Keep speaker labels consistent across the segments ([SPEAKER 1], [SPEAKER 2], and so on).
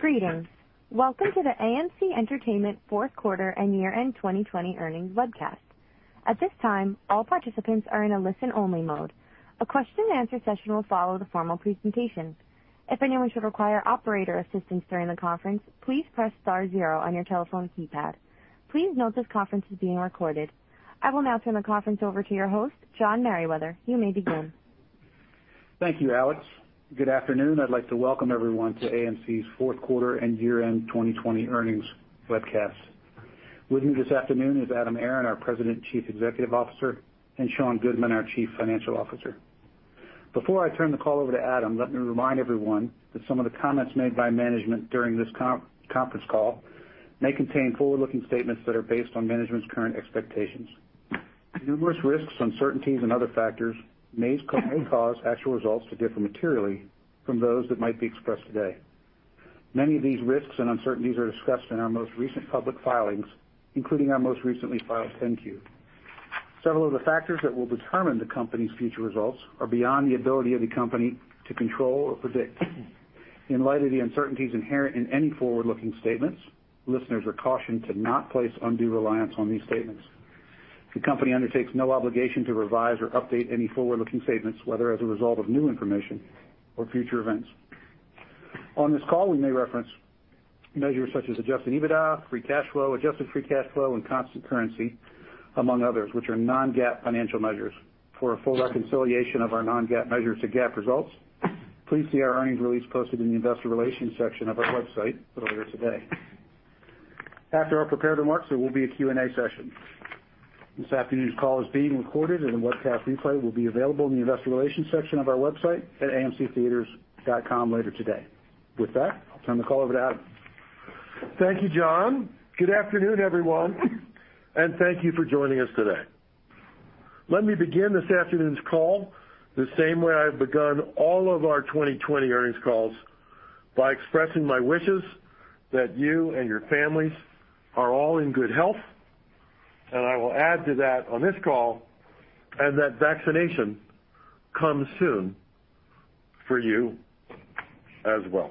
[SPEAKER 1] Greetings. Welcome to the AMC Entertainment fourth quarter and year-end 2020 earnings webcast. At this time, all participants are in a listen-only mode. A question and answer session will follow the formal presentation. If anyone should require operator assistance during the conference, please press star zero on your telephone keypad. Please note this conference is being recorded. I will now turn the conference over to your host, John Merriwether. You may begin.
[SPEAKER 2] Thank you, Alex. Good afternoon. I'd like to welcome everyone to AMC's fourth quarter and year-end 2020 earnings webcast. With me this afternoon is Adam Aron, our President and Chief Executive Officer, and Sean Goodman, our Chief Financial Officer. Before I turn the call over to Adam, let me remind everyone that some of the comments made by management during this conference call may contain forward-looking statements that are based on management's current expectations. Numerous risks, uncertainties, and other factors may cause actual results to differ materially from those that might be expressed today. Many of these risks and uncertainties are discussed in our most recent public filings, including our most recently filed 10-Q. Several of the factors that will determine the company's future results are beyond the ability of the company to control or predict. In light of the uncertainties inherent in any forward-looking statements, listeners are cautioned to not place undue reliance on these statements. The company undertakes no obligation to revise or update any forward-looking statements, whether as a result of new information or future events. On this call, we may reference measures such as adjusted EBITDA, free cash flow, adjusted free cash flow, and constant currency, among others, which are non-GAAP financial measures. For a full reconciliation of our non-GAAP measures to GAAP results, please see our earnings release posted in the investor relations section of our website earlier today. After our prepared remarks, there will be a Q&A session. This afternoon's call is being recorded, and the webcast replay will be available in the investor relations section of our website at amctheatres.com later today. With that, I'll turn the call over to Adam.
[SPEAKER 3] Thank you, John. Good afternoon, everyone, and thank you for joining us today. Let me begin this afternoon's call the same way I've begun all of our 2020 earnings calls, by expressing my wishes that you and your families are all in good health, and I will add to that on this call and that vaccination comes soon for you as well.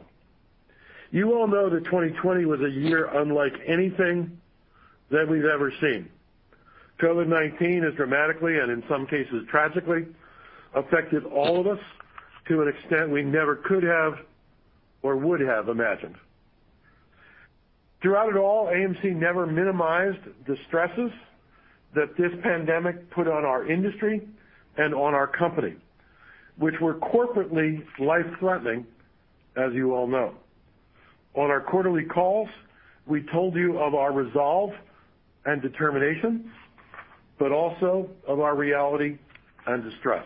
[SPEAKER 3] You all know that 2020 was a year unlike anything that we've ever seen. COVID-19 has dramatically, and in some cases tragically, affected all of us to an extent we never could have or would have imagined. Throughout it all, AMC never minimized the stresses that this pandemic put on our industry and on our company, which were corporately life-threatening, as you all know. On our quarterly calls, we told you of our resolve and determination, but also of our reality and distress.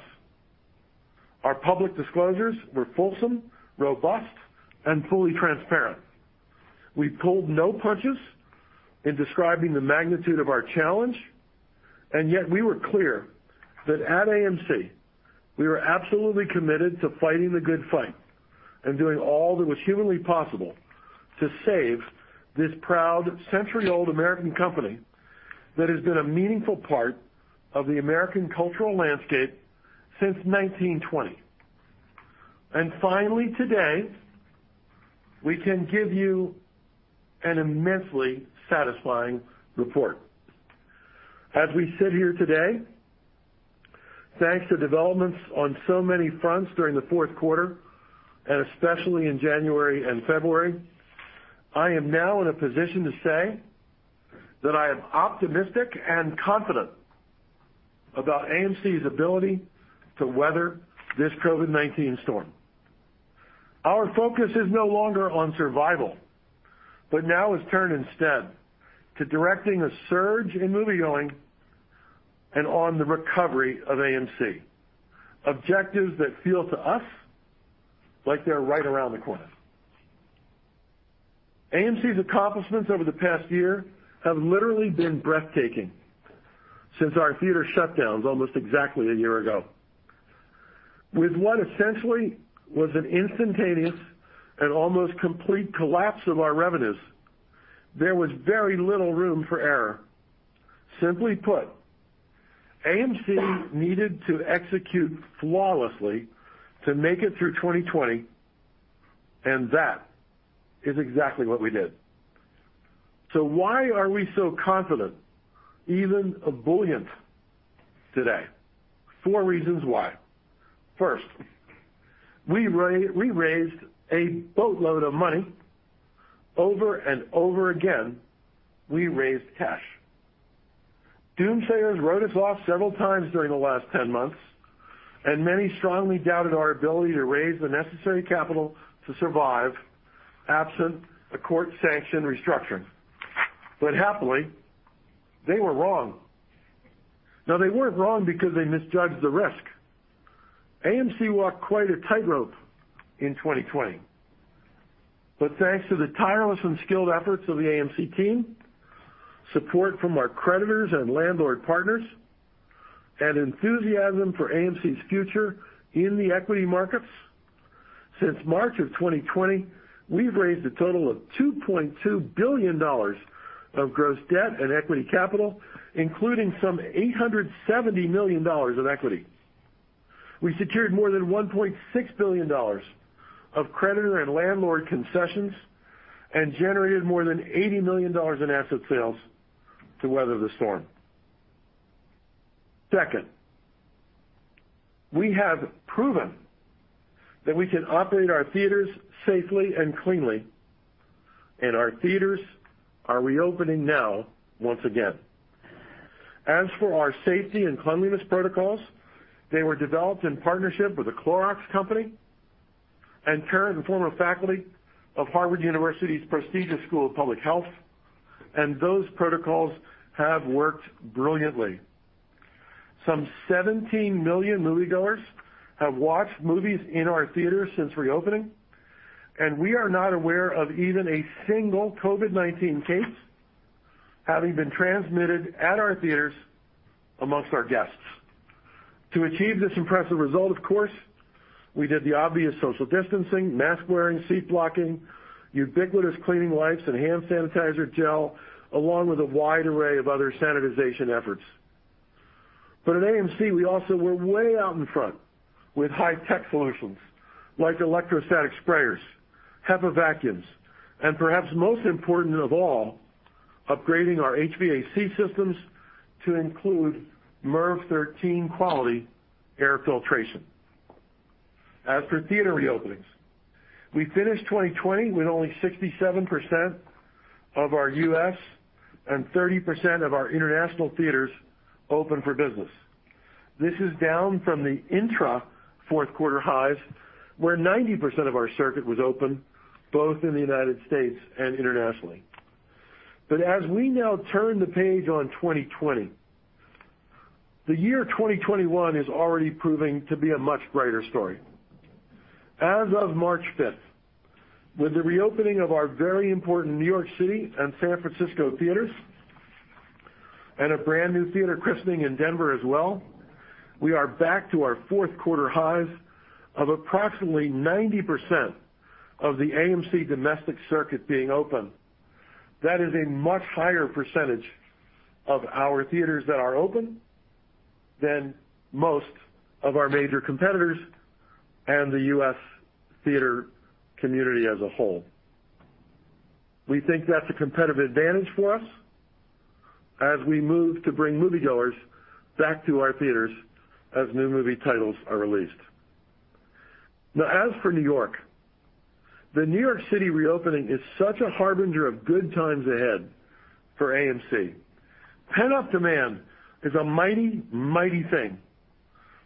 [SPEAKER 3] Our public disclosures were fulsome, robust, and fully transparent. We pulled no punches in describing the magnitude of our challenge, and yet we were clear that at AMC, we were absolutely committed to fighting the good fight and doing all that was humanly possible to save this proud century-old American company that has been a meaningful part of the American cultural landscape since 1920. Finally, today, we can give you an immensely satisfying report. As we sit here today, thanks to developments on so many fronts during the fourth quarter, and especially in January and February, I am now in a position to say that I am optimistic and confident about AMC's ability to weather this COVID-19 storm. Our focus is no longer on survival, but now is turned instead to directing a surge in moviegoing and on the recovery of AMC. Objectives that feel to us like they're right around the corner. AMC's accomplishments over the past year have literally been breathtaking since our theater shutdowns almost exactly a year ago. With what essentially was an instantaneous and almost complete collapse of our revenues, there was very little room for error. Simply put, AMC needed to execute flawlessly to make it through 2020. That is exactly what we did. Why are we so confident, even ebullient today? Four reasons why. First, we raised a boatload of money. Over and over again, we raised cash. Doomsayers wrote us off several times during the last 10 months, and many strongly doubted our ability to raise the necessary capital to survive absent a court-sanctioned restructuring. Happily, they were wrong. Now, they weren't wrong because they misjudged the risk. AMC walked quite a tightrope in 2020. Thanks to the tireless and skilled efforts of the AMC team, support from our creditors and landlord partners, and enthusiasm for AMC's future in the equity markets, since March of 2020, we've raised a total of $2.2 billion of gross debt and equity capital, including some $870 million of equity. We secured more than $1.6 billion of creditor and landlord concessions and generated more than $80 million in asset sales to weather the storm. Second, we have proven that we can operate our theaters safely and cleanly, and our theaters are reopening now, once again. As for our safety and cleanliness protocols, they were developed in partnership with The Clorox Company and current and former faculty of Harvard University's prestigious School of Public Health, and those protocols have worked brilliantly. Some 17 million movie-goers have watched movies in our theaters since reopening, and we are not aware of even a single COVID-19 case having been transmitted at our theaters amongst our guests. To achieve this impressive result, of course, we did the obvious social distancing, mask-wearing, seat-blocking, ubiquitous cleaning wipes, and hand sanitizer gel, along with a wide array of other sanitization efforts. At AMC, we also were way out in front with high-tech solutions, like electrostatic sprayers, HEPA vacuums, and perhaps most important of all, upgrading our HVAC systems to include MERV-13 quality air filtration. As for theater reopenings, we finished 2020 with only 67% of our U.S. and 30% of our international theaters open for business. This is down from the intra-fourth -quarter highs where 90% of our circuit was open, both in the United States and internationally. As we now turn the page on 2020, the year 2021 is already proving to be a much brighter story. As of March 5, with the reopening of our very important New York City and San Francisco theaters and a brand-new theater christening in Denver as well, we are back to our fourth-quarter highs of approximately 90% of the AMC domestic circuit being open. That is a much higher percentage of our theaters that are open than most of our major competitors and the U.S. theater community as a whole. We think that's a competitive advantage for us as we move to bring movie-goers back to our theaters as new movie titles are released. As for New York, the New York City reopening is such a harbinger of good times ahead for AMC. Pent-up demand is a mighty thing.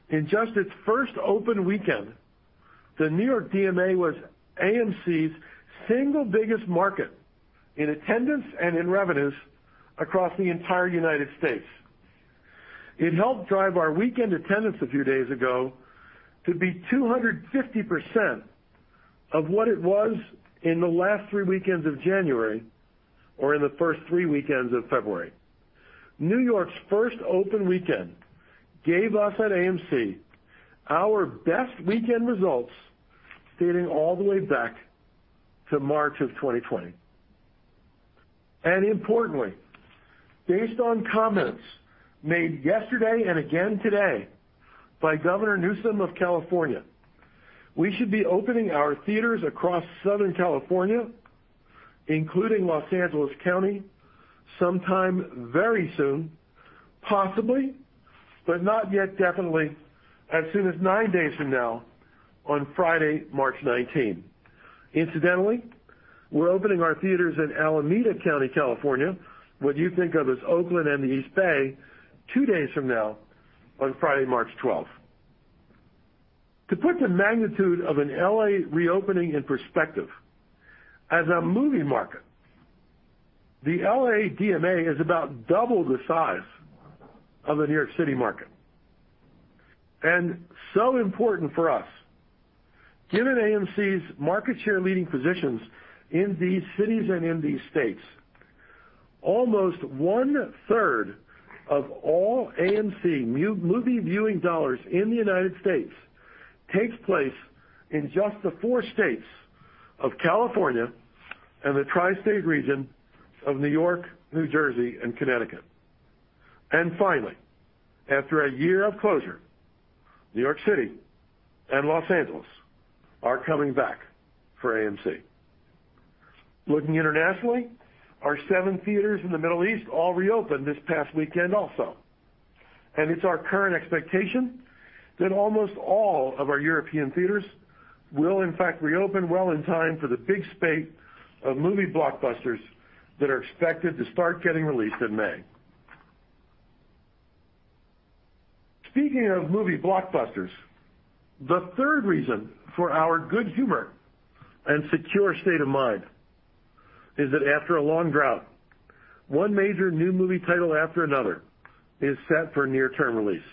[SPEAKER 3] In just its first open weekend, the New York DMA was AMC's single biggest market in attendance and in revenues across the entire United States. It helped drive our weekend attendance a few days ago to be 250% of what it was in the last three weekends of January or in the first three weekends of February. New York's first open weekend gave us at AMC our best weekend results dating all the way back to March of 2020. Importantly, based on comments made yesterday and again today by Governor Newsom of California, we should be opening our theaters across Southern California, including Los Angeles County, sometime very soon, possibly, but not yet definitely, as soon as nine days from now on Friday, March 19th. Incidentally, we're opening our theaters in Alameda County, California, what you think of as Oakland and the East Bay, two days from now on Friday, March 12. To put the magnitude of an L.A. reopening in perspective, as a movie market, the L.A. DMA is about double the size of the New York City market. Important for us, given AMC's market share leading positions in these cities and in these states, almost one-third of all AMC movie-viewing dollars in the United States takes place in just the four states of California and the tri-state region of New York, New Jersey, and Connecticut. Finally, after a year of closure, New York City and Los Angeles are coming back for AMC. Looking internationally, our seven theaters in the Middle East all reopened this past weekend also. It's our current expectation that almost all of our European theaters will in fact reopen well in time for the big spate of movie blockbusters that are expected to start getting released in May. Speaking of movie blockbusters, the third reason for our good humor and secure state of mind is that after a long drought, one major new movie title after another is set for near-term release.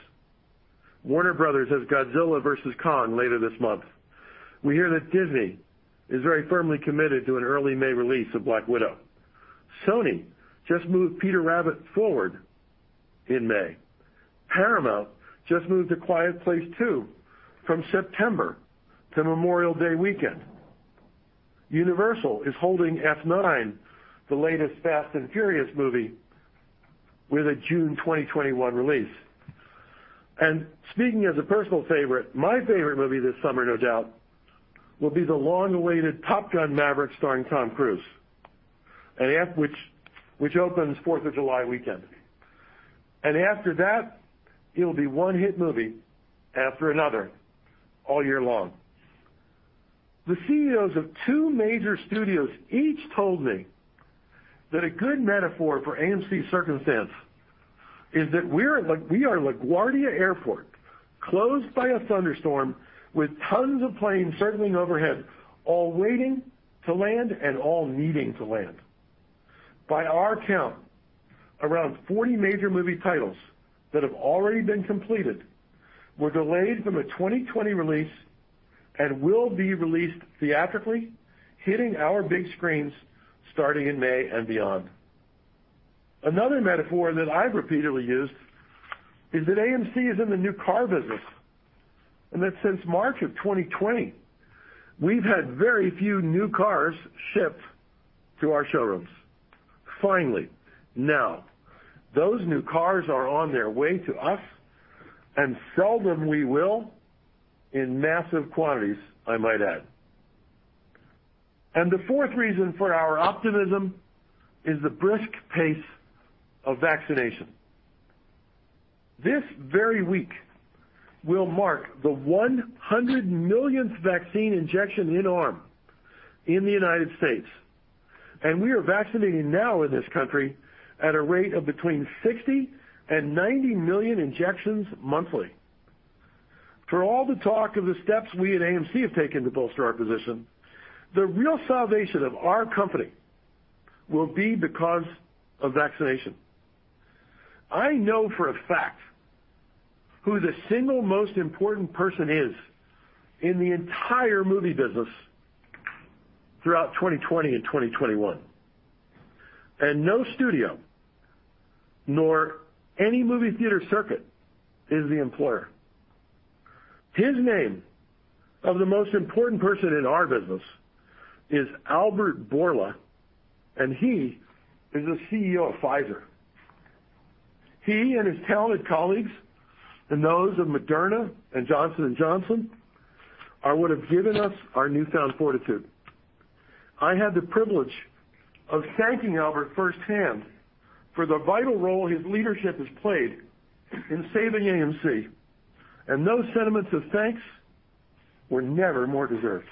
[SPEAKER 3] Warner Bros. has "Godzilla vs. Kong" later this month. We hear that Disney is very firmly committed to an early May release of Black Widow. Sony just moved Peter Rabbit forward in May. Paramount just moved A Quiet Place Part II from September to Memorial Day weekend. Universal is holding F9, the latest Fast & Furious movie, with a June 2021 release. Speaking as a personal favorite, my favorite movie this summer, no doubt, will be the long-awaited Top Gun: Maverick starring Tom Cruise, which opens Fourth of July weekend. After that, it'll be one hit movie after another all year long. The CEOs of two major studios each told me that a good metaphor for AMC's circumstance is that we are LaGuardia Airport, closed by a thunderstorm, with tons of planes circling overhead, all waiting to land and all needing to land. By our count, around 40 major movie titles that have already been completed were delayed from a 2020 release and will be released theatrically, hitting our big screens starting in May and beyond. Another metaphor that I have repeatedly used is that AMC is in the new car business, and that since March of 2020, we've had very few new cars shipped to our showrooms. Finally, now, those new cars are on their way to us, sell them we will in massive quantities, I might add. The fourth reason for our optimism is the brisk pace of vaccination. This very week will mark the 100-millionth vaccine injection in-arm in the U.S., we are vaccinating now in this country at a rate of between 60 and 90 million injections monthly. For all the talk of the steps we at AMC have taken to bolster our position, the real salvation of our company will be because of vaccination. I know for a fact who the single most important person is in the entire movie business throughout 2020 and 2021, no studio, nor any movie theater circuit is the employer. His name, of the most important person in our business, is Albert Bourla, he is the CEO of Pfizer. He and his talented colleagues, and those of Moderna and Johnson & Johnson, are what have given us our newfound fortitude. I had the privilege of thanking Albert firsthand for the vital role his leadership has played in saving AMC, and those sentiments of thanks were never more deserved.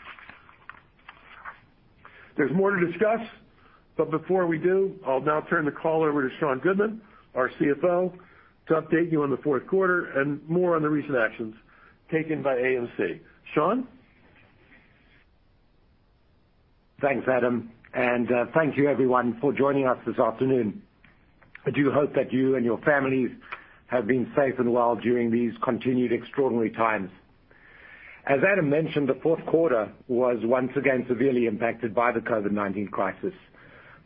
[SPEAKER 3] There's more to discuss, but before we do, I'll now turn the call over to Saen Goodman, our CFO, to update you on the fourth quarter and more on the recent actions taken by AMC. Sean?
[SPEAKER 4] Thanks, Adam. Thank you everyone for joining us this afternoon. I do hope that you and your families have been safe and well during these continued extraordinary times. As Adam mentioned, the fourth quarter was once again severely impacted by the COVID-19 crisis.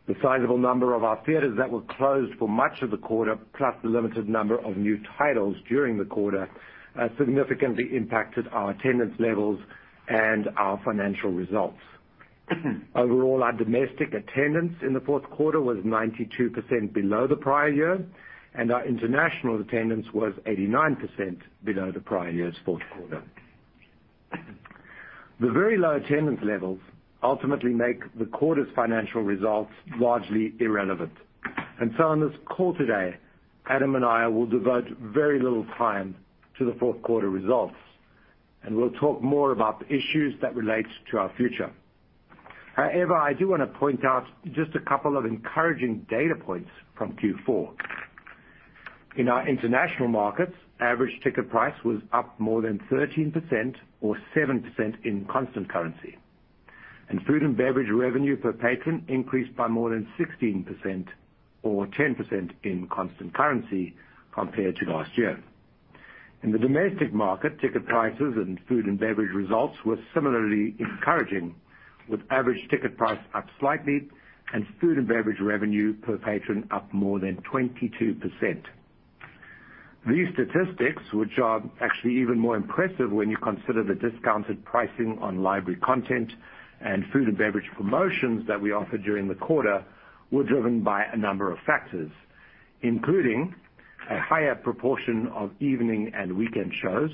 [SPEAKER 4] The sizable number of our theaters that were closed for much of the quarter, plus the limited number of new titles during the quarter, significantly impacted our attendance levels and our financial results. Overall, our domestic attendance in the fourth quarter was 92% below the prior year, and our international attendance was 89% below the prior year's fourth quarter. The very low attendance levels ultimately make the quarter's financial results largely irrelevant. On this call today, Adam and I will devote very little time to the fourth quarter results, and we'll talk more about the issues that relate to our future. However, I do want to point out just a couple of encouraging data points from Q4. In our international markets, average ticket price was up more than 13% or 7% in constant currency. Food and beverage revenue per patron increased by more than 16% or 10% in constant currency compared to last year. In the domestic market, ticket prices and food and beverage results were similarly encouraging, with average ticket price up slightly and food and beverage revenue per patron up more than 22%. These statistics, which are actually even more impressive when you consider the discounted pricing on library content and food and beverage promotions that we offered during the quarter, were driven by a number of factors, including a higher proportion of evening and weekend shows,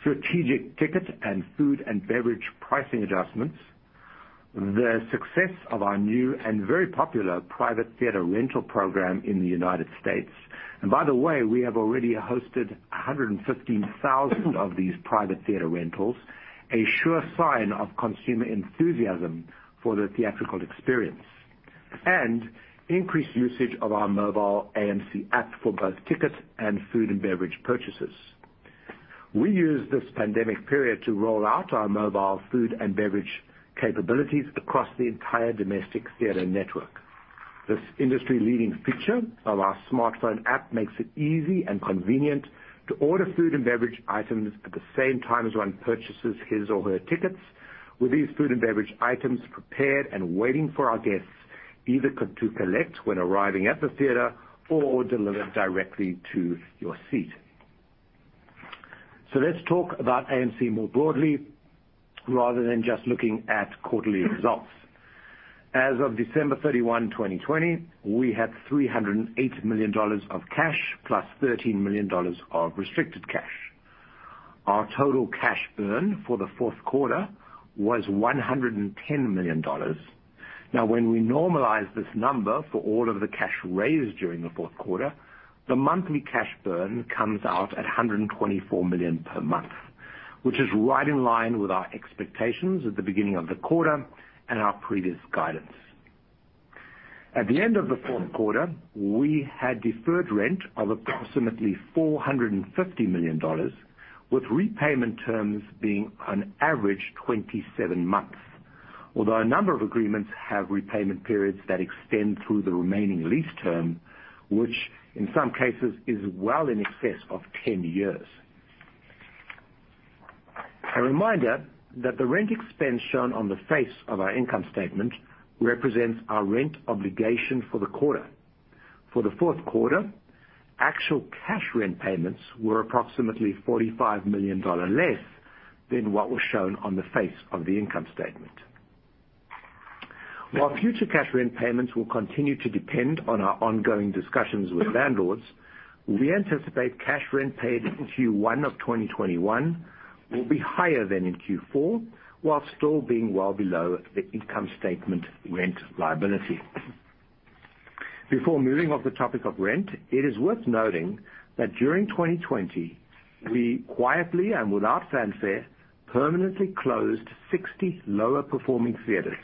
[SPEAKER 4] strategic ticket and food and beverage pricing adjustments, the success of our new and very popular Private Theater Rental Program in the United States. By the way, we have already hosted 115,000 of these Private Theater Rentals, a sure sign of consumer enthusiasm for the theatrical experience. Increased usage of our mobile AMC app for both ticket and food and beverage purchases. We used this pandemic period to roll out our mobile food and beverage capabilities across the entire domestic theater network. This industry-leading feature of our smartphone app makes it easy and convenient to order food and beverage items at the same time as one purchases his or her tickets with these food and beverage items prepared and waiting for our guests, either to collect when arriving at the theater or delivered directly to your seat. Let's talk about AMC more broadly rather than just looking at quarterly results. As of December 31, 2020, we had $308 million of cash plus $13 million of restricted cash. Our total cash burn for the fourth quarter was $110 million. When we normalize this number for all of the cash raised during the fourth quarter, the monthly cash burn comes out at $124 million per month, which is right in line with our expectations at the beginning of the quarter and our previous guidance. At the end of the fourth quarter, we had deferred rent of approximately $450 million, with repayment terms being on average 27 months, although a number of agreements have repayment periods that extend through the remaining lease term, which in some cases is well in excess of 10 years. A reminder that the rent expense shown on the face of our income statement represents our rent obligation for the quarter. For the fourth quarter, actual cash rent payments were approximately $45 million less than what was shown on the face of the income statement. While future cash rent payments will continue to depend on our ongoing discussions with landlords, we anticipate cash rent paid in Q1 of 2021 will be higher than in Q4, while still being well below the income statement rent liability. Before moving off the topic of rent, it is worth noting that during 2020, we quietly and without fanfare permanently closed 60 lower-performing theaters,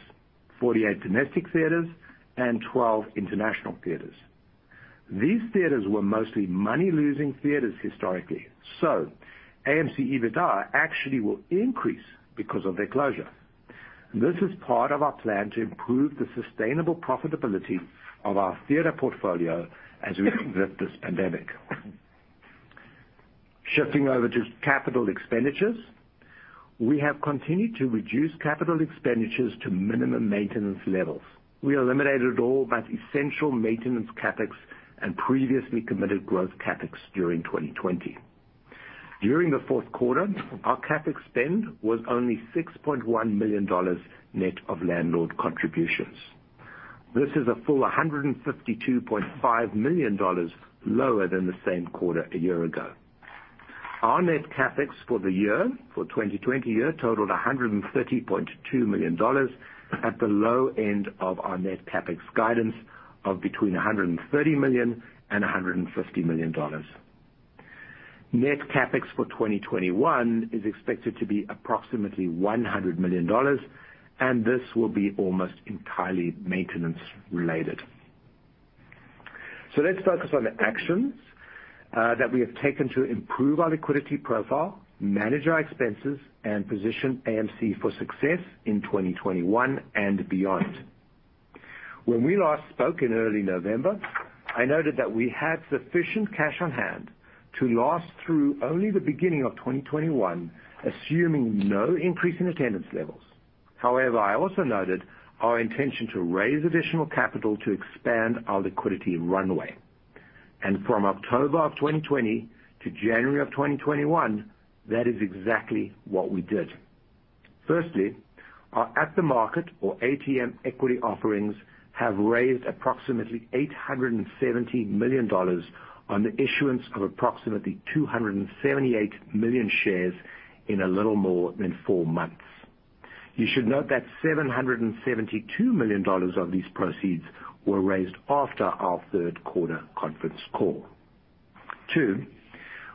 [SPEAKER 4] 48 domestic theaters and 12 international theaters. These theaters were mostly money-losing theaters historically, AMC EBITDA actually will increase because of their closure. This is part of our plan to improve the sustainable profitability of our theater portfolio as we exit this pandemic. Shifting over to capital expenditures. We have continued to reduce capital expenditures to minimum maintenance levels. We eliminated all but essential maintenance CapEx and previously committed growth CapEx during 2020. During the fourth quarter, our CapEx spend was only $6.1 million net of landlord contributions. This is a full $152.5 million lower than the same quarter a year ago. Our net CapEx for the year, for 2020 year totaled $130.2 million at the low end of our net CapEx guidance of between $130 million and $150 million. This will be almost entirely maintenance related. Let's focus on the actions that we have taken to improve our liquidity profile, manage our expenses, and position AMC for success in 2021 and beyond. When we last spoke in early November, I noted that we had sufficient cash on hand to last through only the beginning of 2021, assuming no increase in attendance levels. However, I also noted our intention to raise additional capital to expand our liquidity runway. From October of 2020 to January of 2021, that is exactly what we did. Firstly, our at-the-market or ATM equity offerings have raised approximately $870 million on the issuance of approximately 278 million shares in a little more than four months. You should note that $772 million of these proceeds were raised after our third quarter conference call. Two,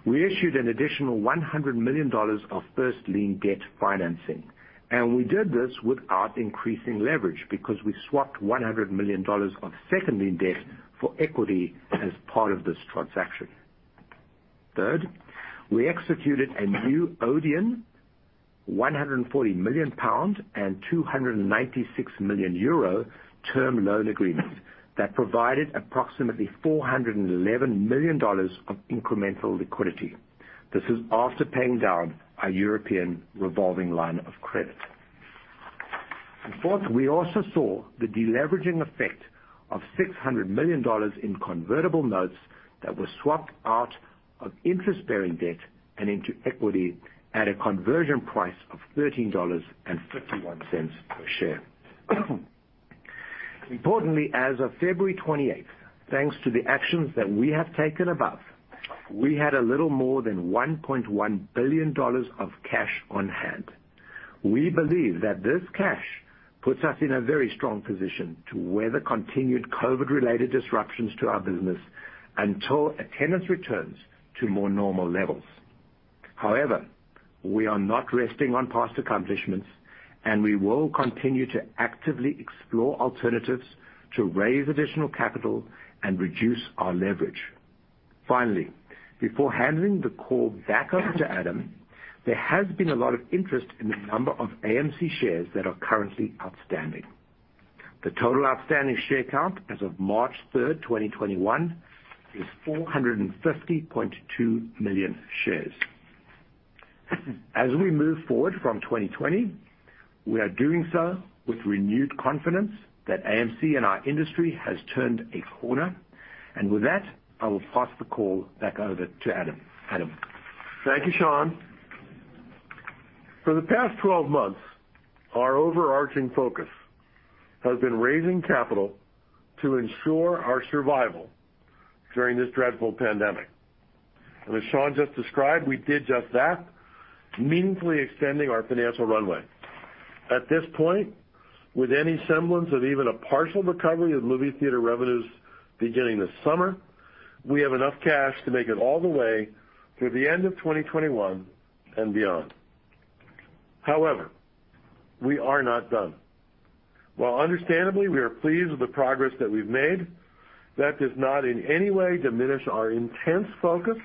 [SPEAKER 4] we issued an additional $100 million of first lien debt financing, and we did this without increasing leverage because we swapped $100 million of second lien debt for equity as part of this transaction. Third, we executed a new Odeon £140 million and €296 million term loan agreement that provided approximately $411 million of incremental liquidity. This is after paying down our European revolving line of credit. Fourth, we also saw the deleveraging effect of $600 million in convertible notes that were swapped out of interest-bearing debt and into equity at a conversion price of $13.51 per share. Importantly, as of February 28, thanks to the actions that we have taken above, we had a little more than $1.1 billion of cash on hand. We believe that this cash puts us in a very strong position to weather continued COVID-related disruptions to our business until attendance returns to more normal levels. However, we are not resting on past accomplishments, and we will continue to actively explore alternatives to raise additional capital and reduce our leverage. Finally, before handing the call back over to Adam, there has been a lot of interest in the number of AMC shares that are currently outstanding. The total outstanding share count as of March 3, 2021, is 450.2 million shares. As we move forward from 2020, we are doing so with renewed confidence that AMC and our industry has turned a corner. With that, I will pass the call back over to Adam. Adam?
[SPEAKER 3] Thank you, Sean. For the past 12 months, our overarching focus has been raising capital to ensure our survival during this dreadful pandemic. As Sean just described, we did just that, meaningfully extending our financial runway. At this point, with any semblance of even a partial recovery of movie theater revenues beginning this summer, we have enough cash to make it all the way through the end of 2021 and beyond. However, we are not done. While understandably, we are pleased with the progress that we've made, that does not in any way diminish our intense focus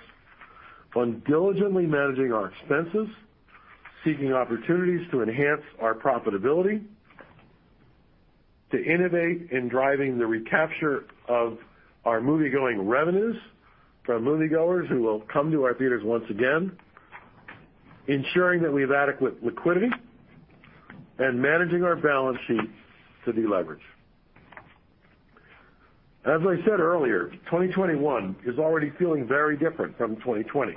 [SPEAKER 3] on diligently managing our expenses, seeking opportunities to enhance our profitability, to innovate in driving the recapture of our moviegoing revenues from moviegoers who will come to our theaters once again, ensuring that we have adequate liquidity, and managing our balance sheet to de-leverage. As I said earlier, 2021 is already feeling very different from 2020.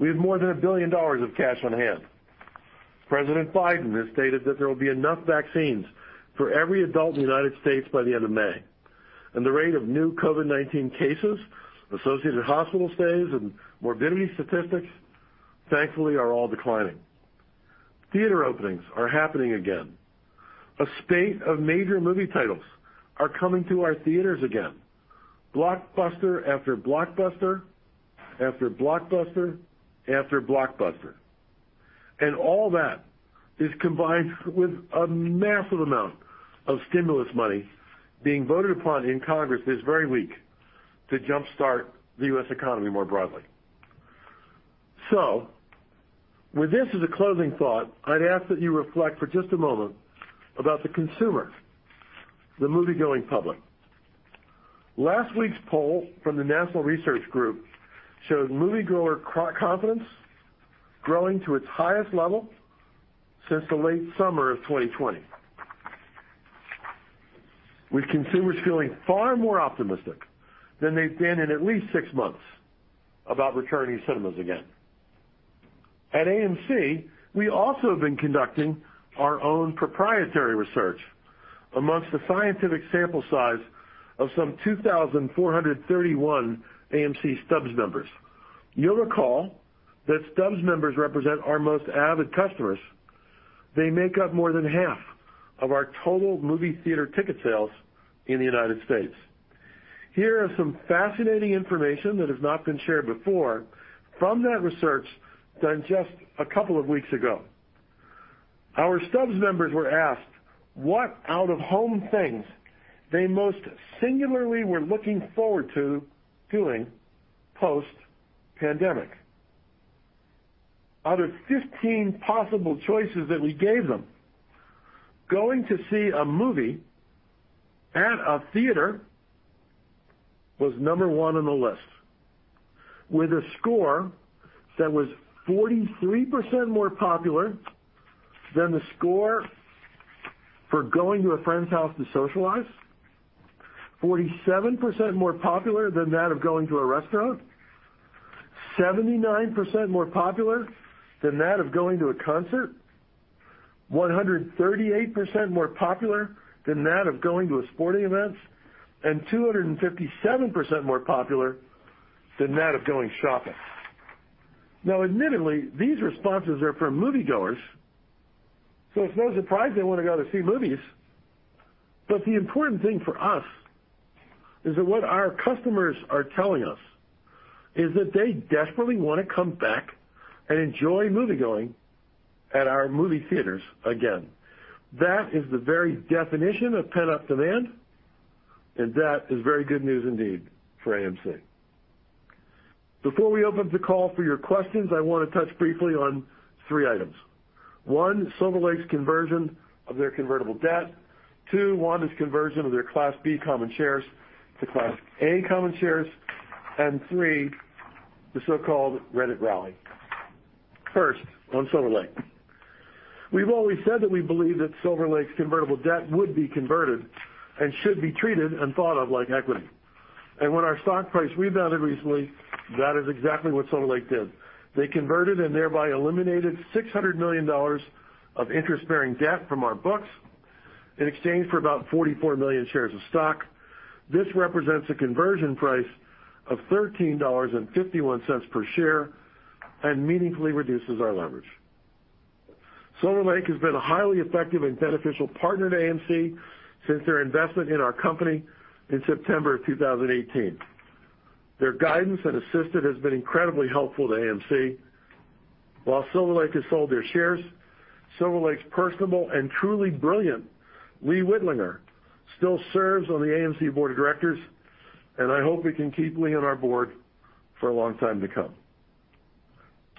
[SPEAKER 3] We have more than $1 billion of cash on hand. President Biden has stated that there will be enough vaccines for every adult in the United States by the end of May, and the rate of new COVID-19 cases, associated hospital stays, and morbidity statistics, thankfully, are all declining. Theater openings are happening again. A spate of major movie titles are coming to our theaters again, blockbuster after blockbuster, after blockbuster, after blockbuster. All that is combined with a massive amount of stimulus money being voted upon in Congress this very week to jumpstart the U.S. economy more broadly. With this as a closing thought, I'd ask that you reflect for just a moment about the consumer, the moviegoing public. Last week's poll from the National Research Group showed moviegoer confidence growing to its highest level since the late summer of 2020, with consumers feeling far more optimistic than they've been in at least six months about returning to cinemas again. At AMC, we also have been conducting our own proprietary research amongst a scientific sample size of some 2,431 AMC Stubs members. You'll recall that Stubs members represent our most avid customers. They make up more than half of our total movie theater ticket sales in the United States. Here is some fascinating information that has not been shared before from that research done just a couple of weeks ago. Our Stubs members were asked what out-of-home things they most singularly were looking forward to doing post-pandemic. Out of 15 possible choices that we gave them, going to see a movie at a theater was number one on the list, with a score that was 43% more popular than the score for going to a friend's house to socialize, 47% more popular than that of going to a restaurant, 79% more popular than that of going to a concert, 138% more popular than that of going to a sporting event, and 257% more popular than that of going shopping. Now, admittedly, these responses are from moviegoers, so it's no surprise they want to go to see movies. The important thing for us is that what our customers are telling us is that they desperately want to come back and enjoy moviegoing at our movie theaters again. That is the very definition of pent-up demand, and that is very good news indeed for AMC. Before we open up the call for your questions, I want to touch briefly on three items. One, Silver Lake's conversion of their convertible debt. Two, Wanda's conversion of their Class B common shares to Class A common shares. Three, the so-called Reddit rally. First, on Silver Lake. We've always said that we believe that Silver Lake's convertible debt would be converted and should be treated and thought of like equity. When our stock price rebounded recently, that is exactly what Silver Lake did. They converted and thereby eliminated $600 million of interest-bearing debt from our books in exchange for about 44 million shares of stock. This represents a conversion price of $13.51 per share and meaningfully reduces our leverage. Silver Lake has been a highly effective and beneficial partner to AMC since their investment in our company in September of 2018. Their guidance and assistance has been incredibly helpful to AMC. While Silver Lake has sold their shares, Silver Lake's personable and truly brilliant Lee Wittlinger still serves on the AMC board of directors, and I hope we can keep Lee on our board for a long time to come.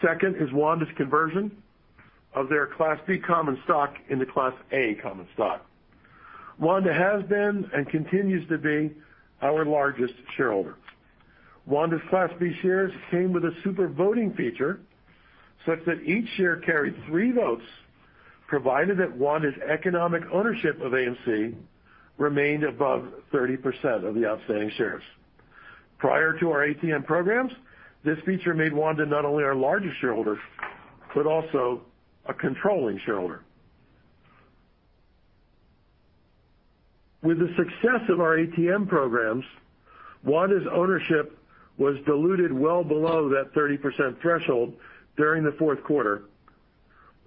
[SPEAKER 3] Second is Wanda's conversion of their Class B common stock into Class A common stock. Wanda has been and continues to be our largest shareholder. Wanda's Class B shares came with a super voting feature such that each share carried three votes, provided that Wanda's economic ownership of AMC remained above 30% of the outstanding shares. Prior to our ATM programs, this feature made Wanda not only our largest shareholder, but also a controlling shareholder. With the success of our ATM programs, Wanda's ownership was diluted well below that 30% threshold during the fourth quarter.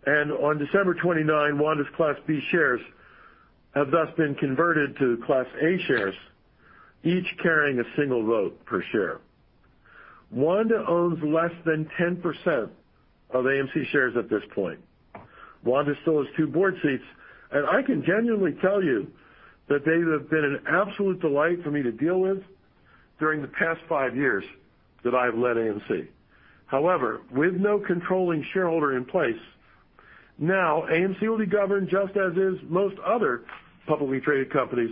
[SPEAKER 3] On December 29, Wanda's Class B shares have thus been converted to Class A shares, each carrying a single vote per share. Wanda owns less than 10% of AMC shares at this point. Wanda still has two board seats, and I can genuinely tell you that they have been an absolute delight for me to deal with during the past five years that I have led AMC. However, with no controlling shareholder in place, now AMC will be governed just as is most other publicly traded companies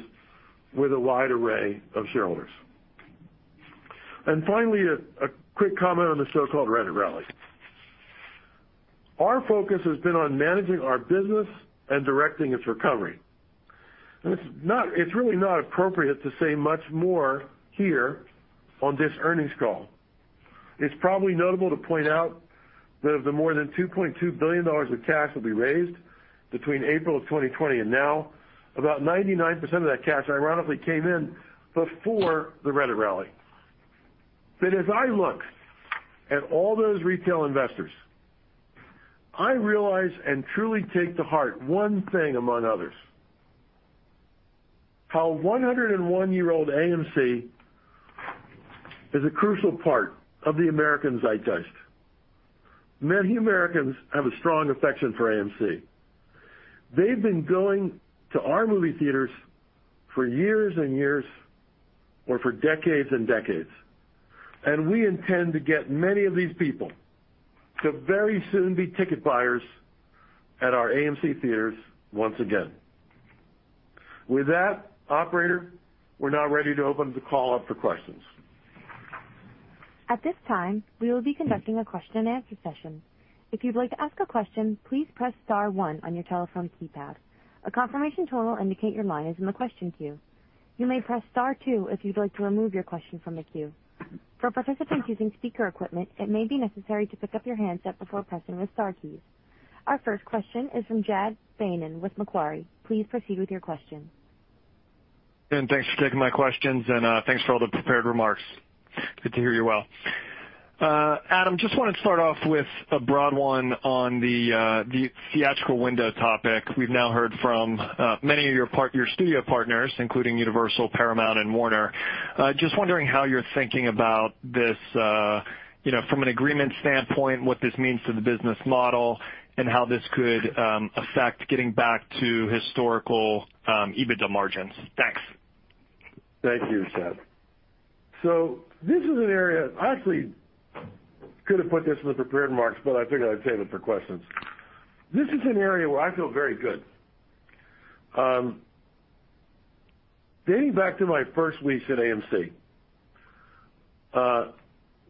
[SPEAKER 3] with a wide array of shareholders. Finally, a quick comment on the so-called Reddit rally. Our focus has been on managing our business and directing its recovery. It's really not appropriate to say much more here on this earnings call. It's probably notable to point out that of the more than $2.2 billion of cash that we raised between April of 2020 and now, about 99% of that cash ironically came in before the Reddit rally. As I look at all those retail investors, I realize and truly take to heart one thing among others. 101-year-old AMC is a crucial part of the American zeitgeist. Many Americans have a strong affection for AMC. They've been going to our movie theaters for years and years or for decades and decades, we intend to get many of these people to very soon be ticket buyers at our AMC theaters once again. With that, operator, we're now ready to open the call up for questions.
[SPEAKER 1] Our first question is from Chad Beynon with Macquarie. Please proceed with your question.
[SPEAKER 5] Thanks for taking my questions and thanks for all the prepared remarks. Good to hear you're well. Adam, just want to start off with a broad one on the theatrical window topic. We've now heard from many of your studio partners, including Universal, Paramount and Warner. Wondering how you're thinking about this from an agreement standpoint, what this means to the business model and how this could affect getting back to historical EBITDA margins. Thanks.
[SPEAKER 3] Thank you, Chad. I actually could have put this in the prepared remarks, but I figured I'd save it for questions. This is an area where I feel very good. Dating back to my first weeks at AMC,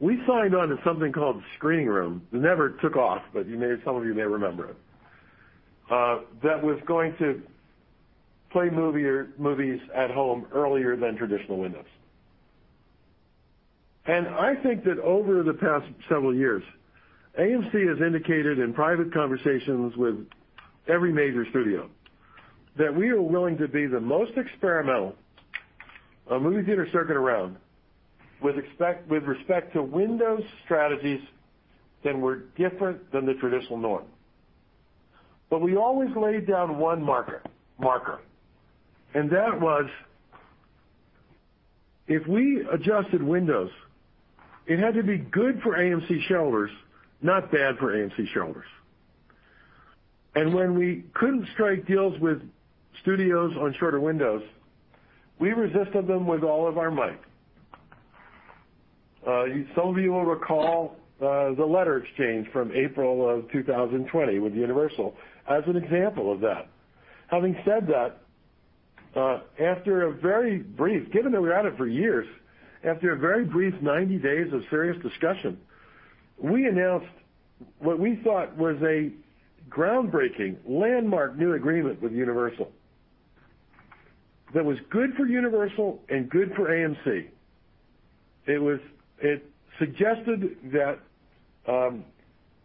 [SPEAKER 3] we signed on to something called Screening Room. It never took off, but some of you may remember it, that was going to play movies at home earlier than traditional windows. I think that over the past several years, AMC has indicated in private conversations with every major studio that we are willing to be the most experimental movie theater circuit around with respect to windows strategies that were different than the traditional norm. We always laid down one marker, and that was if we adjusted windows, it had to be good for AMC shareholders, not bad for AMC shareholders. When we couldn't strike deals with studios on shorter windows, we resisted them with all of our might. Some of you will recall the letter exchange from April of 2020 with Universal as an example of that. Having said that, given that we're at it for years, after a very brief 90 days of serious discussion, we announced what we thought was a groundbreaking landmark new agreement with Universal that was good for Universal and good for AMC. It suggested that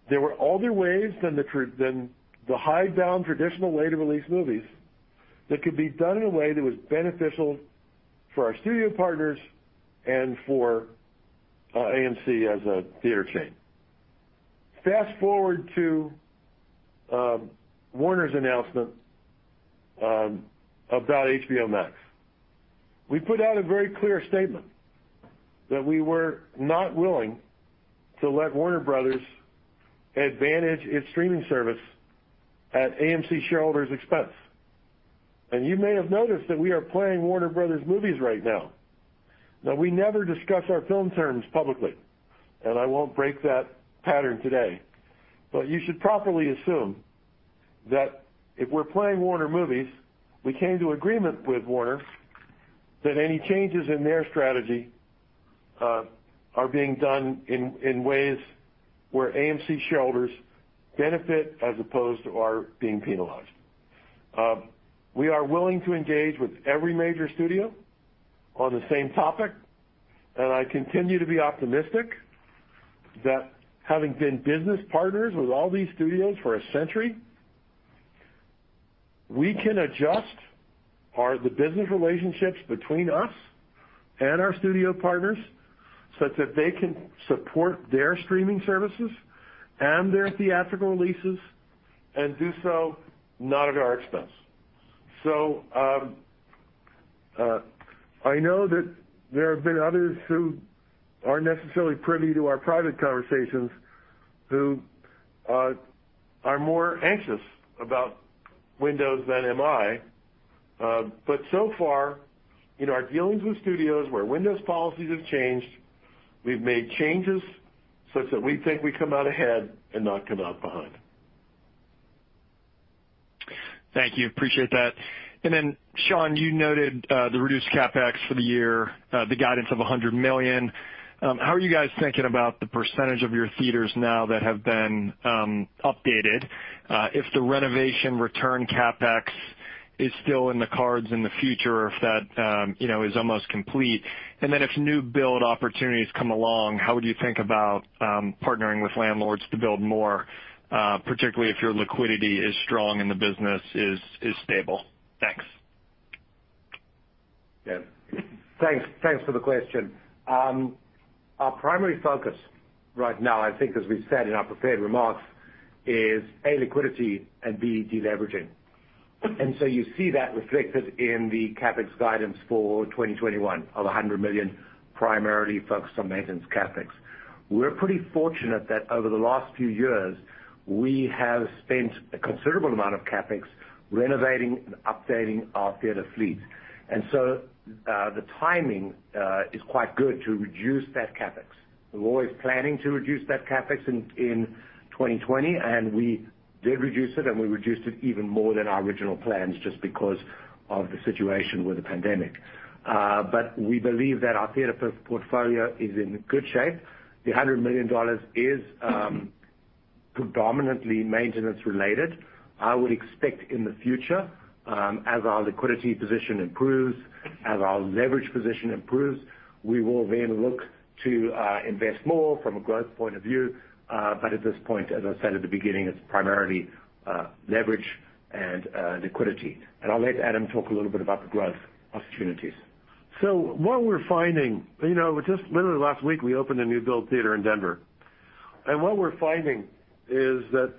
[SPEAKER 3] there were other ways than the hidebound traditional way to release movies that could be done in a way that was beneficial for our studio partners and for AMC as a theater chain. Fast-forward to Warner's announcement about HBO Max. We put out a very clear statement that we were not willing to let Warner Bros. advantage its streaming service at AMC shareholders' expense. You may have noticed that we are playing Warner Bros. movies right now. Now, we never discuss our film terms publicly, and I won't break that pattern today. You should properly assume that if we're playing Warner movies, we came to agreement with Warner that any changes in their strategy are being done in ways where AMC shareholders benefit as opposed to our being penalized. We are willing to engage with every major studio on the same topic, I continue to be optimistic that having been business partners with all these studios for a century, we can adjust the business relationships between us and our studio partners such that they can support their streaming services and their theatrical releases, and do so not at our expense. I know that there have been others who aren't necessarily privy to our private conversations, who are more anxious about windows than am I. So far, in our dealings with studios where windows policies have changed, we've made changes such that we think we come out ahead and not come out behind.
[SPEAKER 5] Thank you. Appreciate that. Sean, you noted the reduced CapEx for the year, the guidance of $100 million. How are you guys thinking about the percentage of your theaters now that have been updated? If the renovation return CapEx is still in the cards in the future, if that is almost complete, and then if new build opportunities come along, how would you think about partnering with landlords to build more, particularly if your liquidity is strong and the business is stable? Thanks.
[SPEAKER 4] Yeah. Thanks for the question. Our primary focus right now, I think as we've said in our prepared remarks, is, A, liquidity, and B, de-leveraging. You see that reflected in the CapEx guidance for 2021 of $100 million, primarily focused on maintenance CapEx. We're pretty fortunate that over the last few years, we have spent a considerable amount of CapEx renovating and updating our theater fleet. The timing is quite good to reduce that CapEx. We were always planning to reduce that CapEx in 2020, and we did reduce it, and we reduced it even more than our original plans just because of the situation with the pandemic. We believe that our theater portfolio is in good shape. The $100 million is predominantly maintenance related. I would expect in the future, as our liquidity position improves, as our leverage position improves, we will look to invest more from a growth point of view. At this point, as I said at the beginning, it's primarily leverage and liquidity. I'll let Adam talk a little bit about the growth opportunities. What we're finding, just literally last week, we opened a new build theater in Denver. What we're finding is that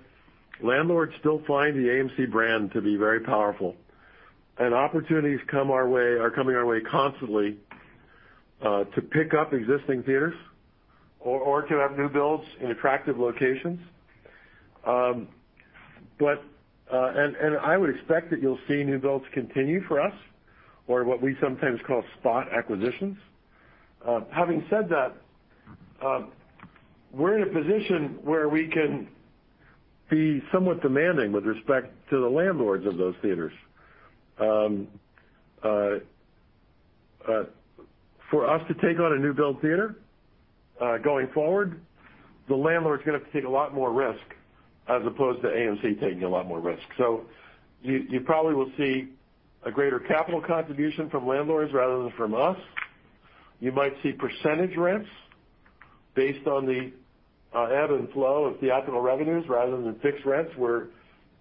[SPEAKER 4] landlords still find the AMC brand to be very powerful, and opportunities are coming our way constantly, to pick up existing theaters or to have new builds in attractive locations. I would expect that you'll see new builds continue for us or what we sometimes call spot acquisitions. Having said that, we're in a position where we can be somewhat demanding with respect to the landlords of those theaters. For us to take on a new build theater, going forward, the landlord's going to have to take a lot more risk as opposed to AMC taking a lot more risk. You probably will see a greater capital contribution from landlords rather than from us. You might see percentage rents based on the ebb and flow of theatrical revenues rather than fixed rents where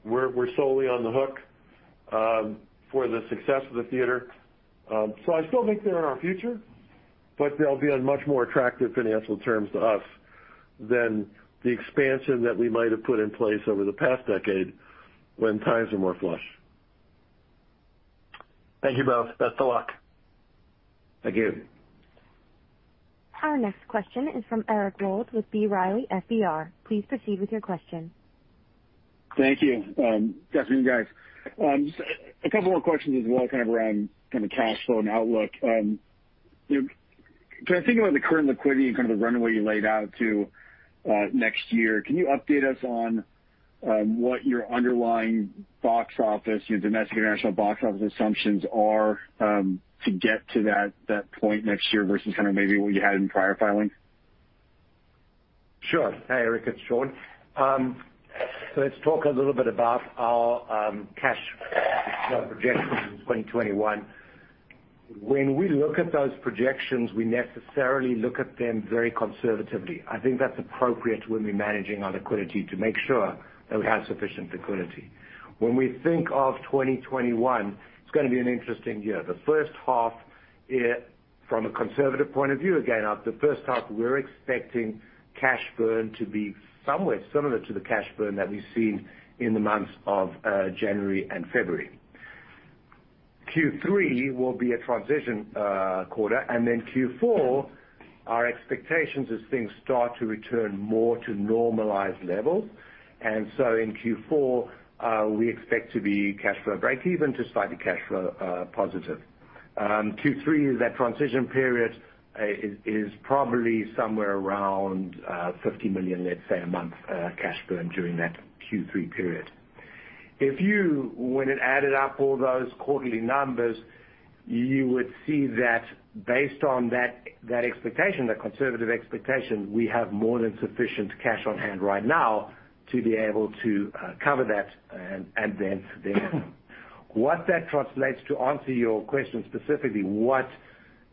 [SPEAKER 4] we're solely on the hook for the success of the theater. I still think they're in our future, but they'll be on much more attractive financial terms to us than the expansion that we might have put in place over the past decade when times were more flush.
[SPEAKER 5] Thank you both. Best of luck.
[SPEAKER 4] Thank you.
[SPEAKER 1] Our next question is from Eric Wold with B. Riley FBR. Please proceed with your question.
[SPEAKER 6] Thank you. Good afternoon, guys. A couple more questions as well kind of around kind of cash flow and outlook. Can I think about the current liquidity and kind of the runway you laid out to next year, can you update us on what your underlying box office, your domestic, international box office assumptions are, to get to that point next year versus kind of maybe what you had in prior filings?
[SPEAKER 4] Sure. Hey, Eric, it's Sean. Let's talk a little bit about our cash flow projections in 2021. When we look at those projections, we necessarily look at them very conservatively. I think that's appropriate when we're managing our liquidity to make sure that we have sufficient liquidity. When we think of 2021, it's going to be an interesting year. The first half, from a conservative point of view, again, the first half, we're expecting cash burn to be somewhere similar to the cash burn that we've seen in the months of January and February. Q3 will be a transition quarter, Q4, our expectations as things start to return more to normalized levels. In Q4, we expect to be cash flow breakeven to slightly cash flow positive. Q3, that transition period is probably somewhere around $50 million, let's say, a month cash burn during that Q3 period. If you went and added up all those quarterly numbers, you would see that based on that expectation, that conservative expectation, we have more than sufficient cash on hand right now to be able to cover that and then some. To answer your question specifically, what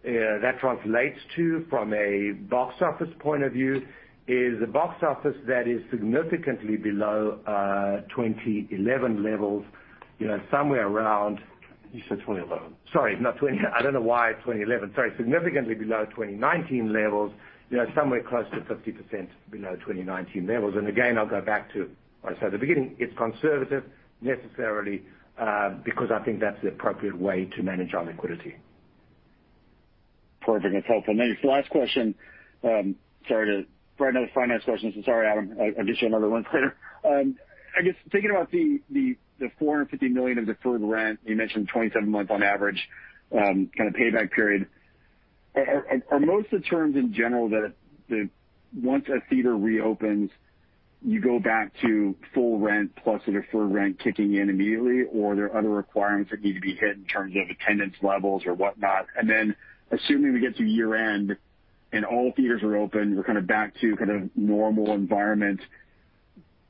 [SPEAKER 4] that translates to from a box office point of view is a box office that is significantly below 2011 levels.
[SPEAKER 6] You said 2011.
[SPEAKER 4] Sorry, not 20-- I don't know why 2011. Sorry, significantly below 2019 levels, somewhere close to 50% below 2019 levels. Again, I'll go back to what I said at the beginning, it's conservative necessarily, because I think that's the appropriate way to manage our liquidity.
[SPEAKER 6] Perfect. That's helpful. Thank you. Last question. Sorry to bring another finance question. Sorry, Adam, I'll get you another one later. I guess, thinking about the $450 million of deferred rent, you mentioned 27 months on average kind of payback period. Are most of the terms in general that once a theater reopens, you go back to full rent plus the deferred rent kicking in immediately, or are there other requirements that need to be hit in terms of attendance levels or whatnot? Assuming we get to year-end and all theaters are open, we're kind of back to kind of normal environment,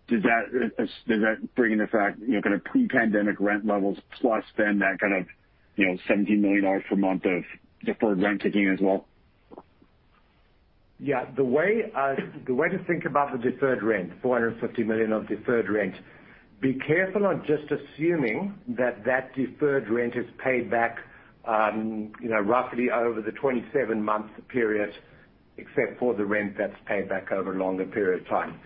[SPEAKER 6] does that bring into fact pre-pandemic rent levels plus then that kind of $17 million per month of deferred rent kicking in as well?
[SPEAKER 4] Yeah. The way to think about the deferred rent, $450 million of deferred rent, be careful on just assuming that that deferred rent is paid back roughly over the 27 months period, except for the rent that's paid back over a longer period of time.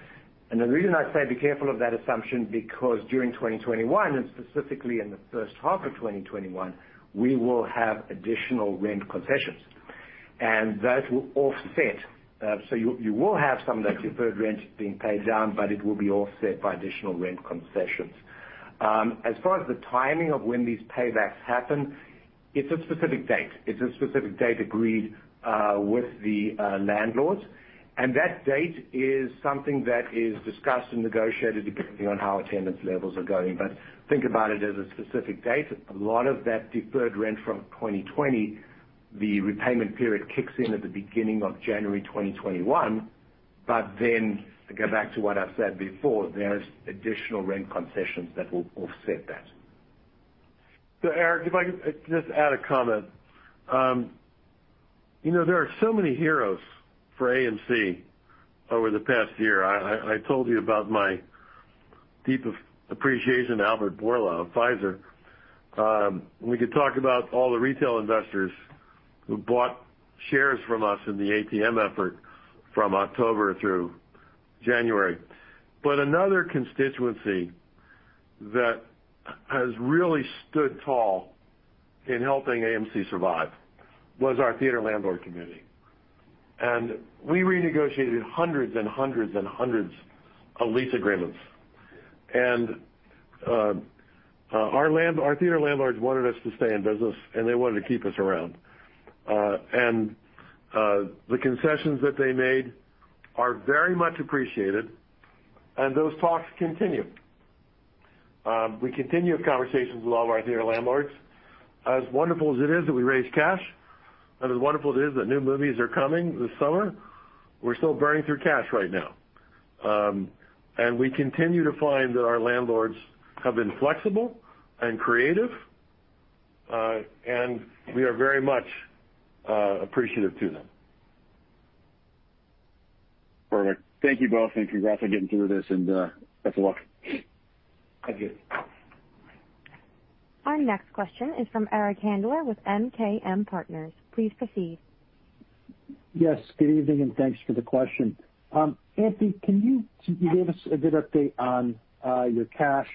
[SPEAKER 4] The reason I say be careful of that assumption, because during 2021 and specifically in the first half of 2021, we will have additional rent concessions, and that will offset. You will have some of that deferred rent being paid down, but it will be offset by additional rent concessions. As far as the timing of when these paybacks happen, it's a specific date. It's a specific date agreed with the landlords, and that date is something that is discussed and negotiated depending on how attendance levels are going. Think about it as a specific date. A lot of that deferred rent from 2020, the repayment period kicks in at the beginning of January 2021. To go back to what I said before, there's additional rent concessions that will offset that.
[SPEAKER 3] Eric, if I could just add a comment. There are so many heroes for AMC over the past year. I told you about my deep appreciation of Albert Bourla of Pfizer. We could talk about all the retail investors who bought shares from us in the ATM effort from October through January. Another constituency that has really stood tall in helping AMC survive was our theater landlord community. We renegotiated hundreds and hundreds and hundreds of lease agreements. Our theater landlords wanted us to stay in business, and they wanted to keep us around. The concessions that they made are very much appreciated, and those talks continue. We continue conversations with all of our theater landlords. As wonderful as it is that we raised cash and as wonderful it is that new movies are coming this summer, we're still burning through cash right now. We continue to find that our landlords have been flexible and creative, and we are very much appreciative to them.
[SPEAKER 6] Perfect. Thank you both. Congrats on getting through this, and best of luck.
[SPEAKER 4] Thank you.
[SPEAKER 1] Our next question is from Eric Handler with MKM Partners. Please proceed.
[SPEAKER 7] Yes, good evening, and thanks for the question. And Sean, you gave us a good update on your cash.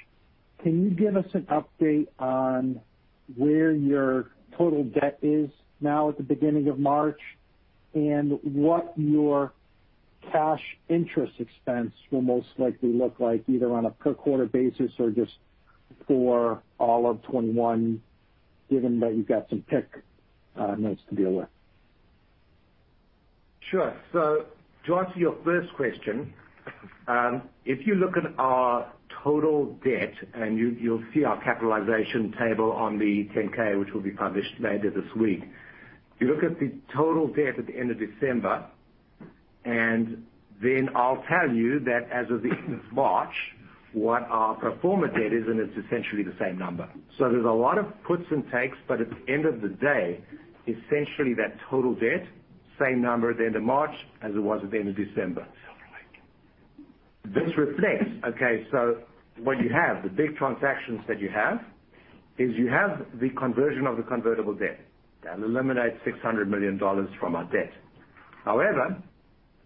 [SPEAKER 7] Can you give us an update on where your total debt is now at the beginning of March, and what your cash interest expense will most likely look like either on a per quarter basis or just for all of 2021, given that you've got some PIK notes to deal with?
[SPEAKER 4] Sure. To answer your first question, if you look at our total debt, and you'll see our capitalization table on the 10-K which will be published later this week. If you look at the total debt at the end of December, and then I'll tell you that as of the end of March, what our pro forma debt is, and it's essentially the same number. There's a lot of puts and takes, but at the end of the day, essentially that total debt, same number at the end of March as it was at the end of December. This reflects, okay, what you have, the big transactions that you have, is you have the conversion of the convertible debt. That eliminates $600 million from our debt. However, at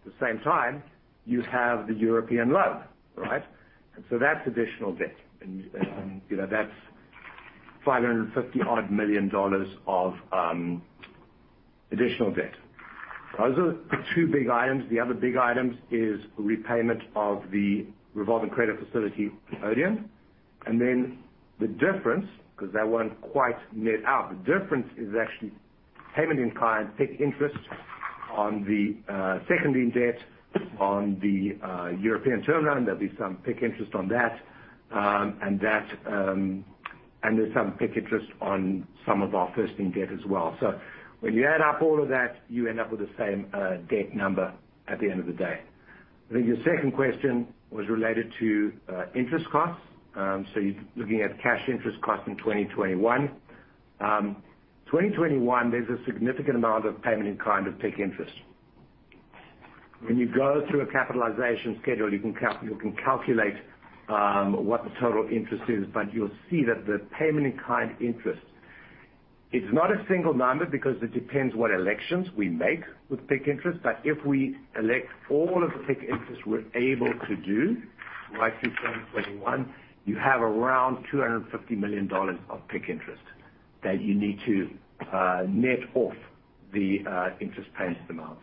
[SPEAKER 4] the same time, you have the European loan, right? That's additional debt, that's $550 odd million of additional debt. Those are the two big items. The other big item is repayment of the revolving credit facility to Odeon. Then the difference, because they weren't quite net out, the difference is actually payment in kind, PIK interest on the second lien debt on the European term load. There'll be some PIK interest on that. There's some PIK interest on some of our first lien debt as well. When you add up all of that, you end up with the same debt number at the end of the day. I think your second question was related to interest costs. You're looking at cash interest costs in 2021. 2021, there's a significant amount of payment in kind of PIK interest. When you go through a capitalization schedule, you can calculate what the total interest is, but you'll see that the payment in kind interest, it's not a single number because it depends what elections we make with PIK interest. But if we elect all of the PIK interest we're able to do right through 2021, you have around $250 million of PIK interest that you need to net off the interest payments amount.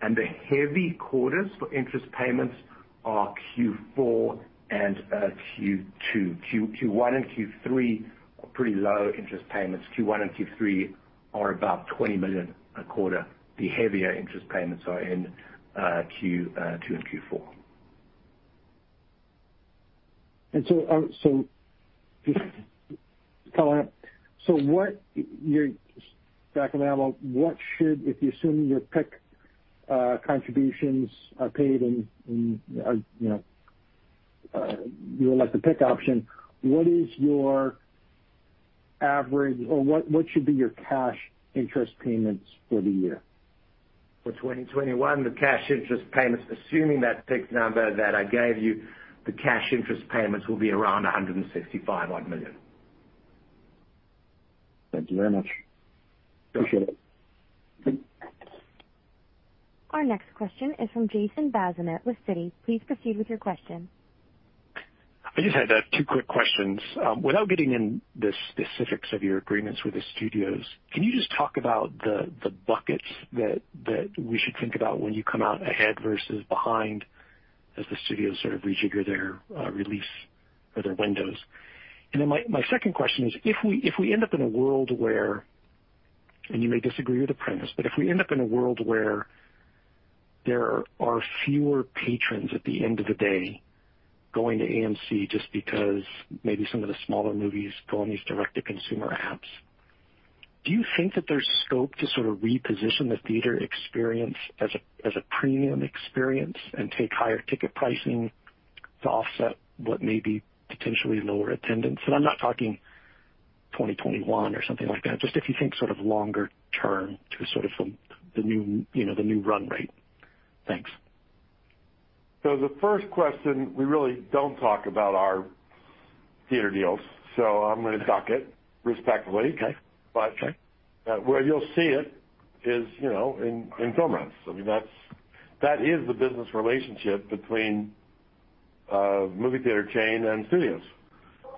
[SPEAKER 4] The heavy quarters for interest payments are Q4 and Q2. Q1 and Q3 are pretty low interest payments. Q1 and Q3 are about $20 million a quarter. The heavier interest payments are in Q2 and Q4.
[SPEAKER 7] To follow up, back to that about, if you're assuming your PIK contributions are paid and you elect the PIK option, what should be your cash interest payments for the year?
[SPEAKER 4] For 2021, the cash interest payments, assuming that PIK number that I gave you, the cash interest payments will be around $165 odd million.
[SPEAKER 7] Thank you very much. Appreciate it.
[SPEAKER 1] Our next question is from Jason Bazinet with Citi. Please proceed with your question.
[SPEAKER 8] I just had two quick questions. Without getting into the specifics of your agreements with the studios, can you just talk about the buckets that we should think about when you come out ahead versus behind as the studios sort of rejigger their release or their windows? Then my second question is, and you may disagree with the premise, but if we end up in a world where there are fewer patrons at the end of the day going to AMC just because maybe some of the smaller movies go on these direct-to-consumer apps, do you think that there's scope to sort of reposition the theater experience as a premium experience and take higher ticket pricing to offset what may be potentially lower attendance? I'm not talking 2021 or something like that, just if you think sort of longer-term to sort of the new run rate. Thanks.
[SPEAKER 3] The first question, we really don't talk about our theater deals, so I'm going to duck it respectfully.
[SPEAKER 8] Okay.
[SPEAKER 3] Where you'll see it is in film runs. That is the business relationship between a movie theater chain and studios.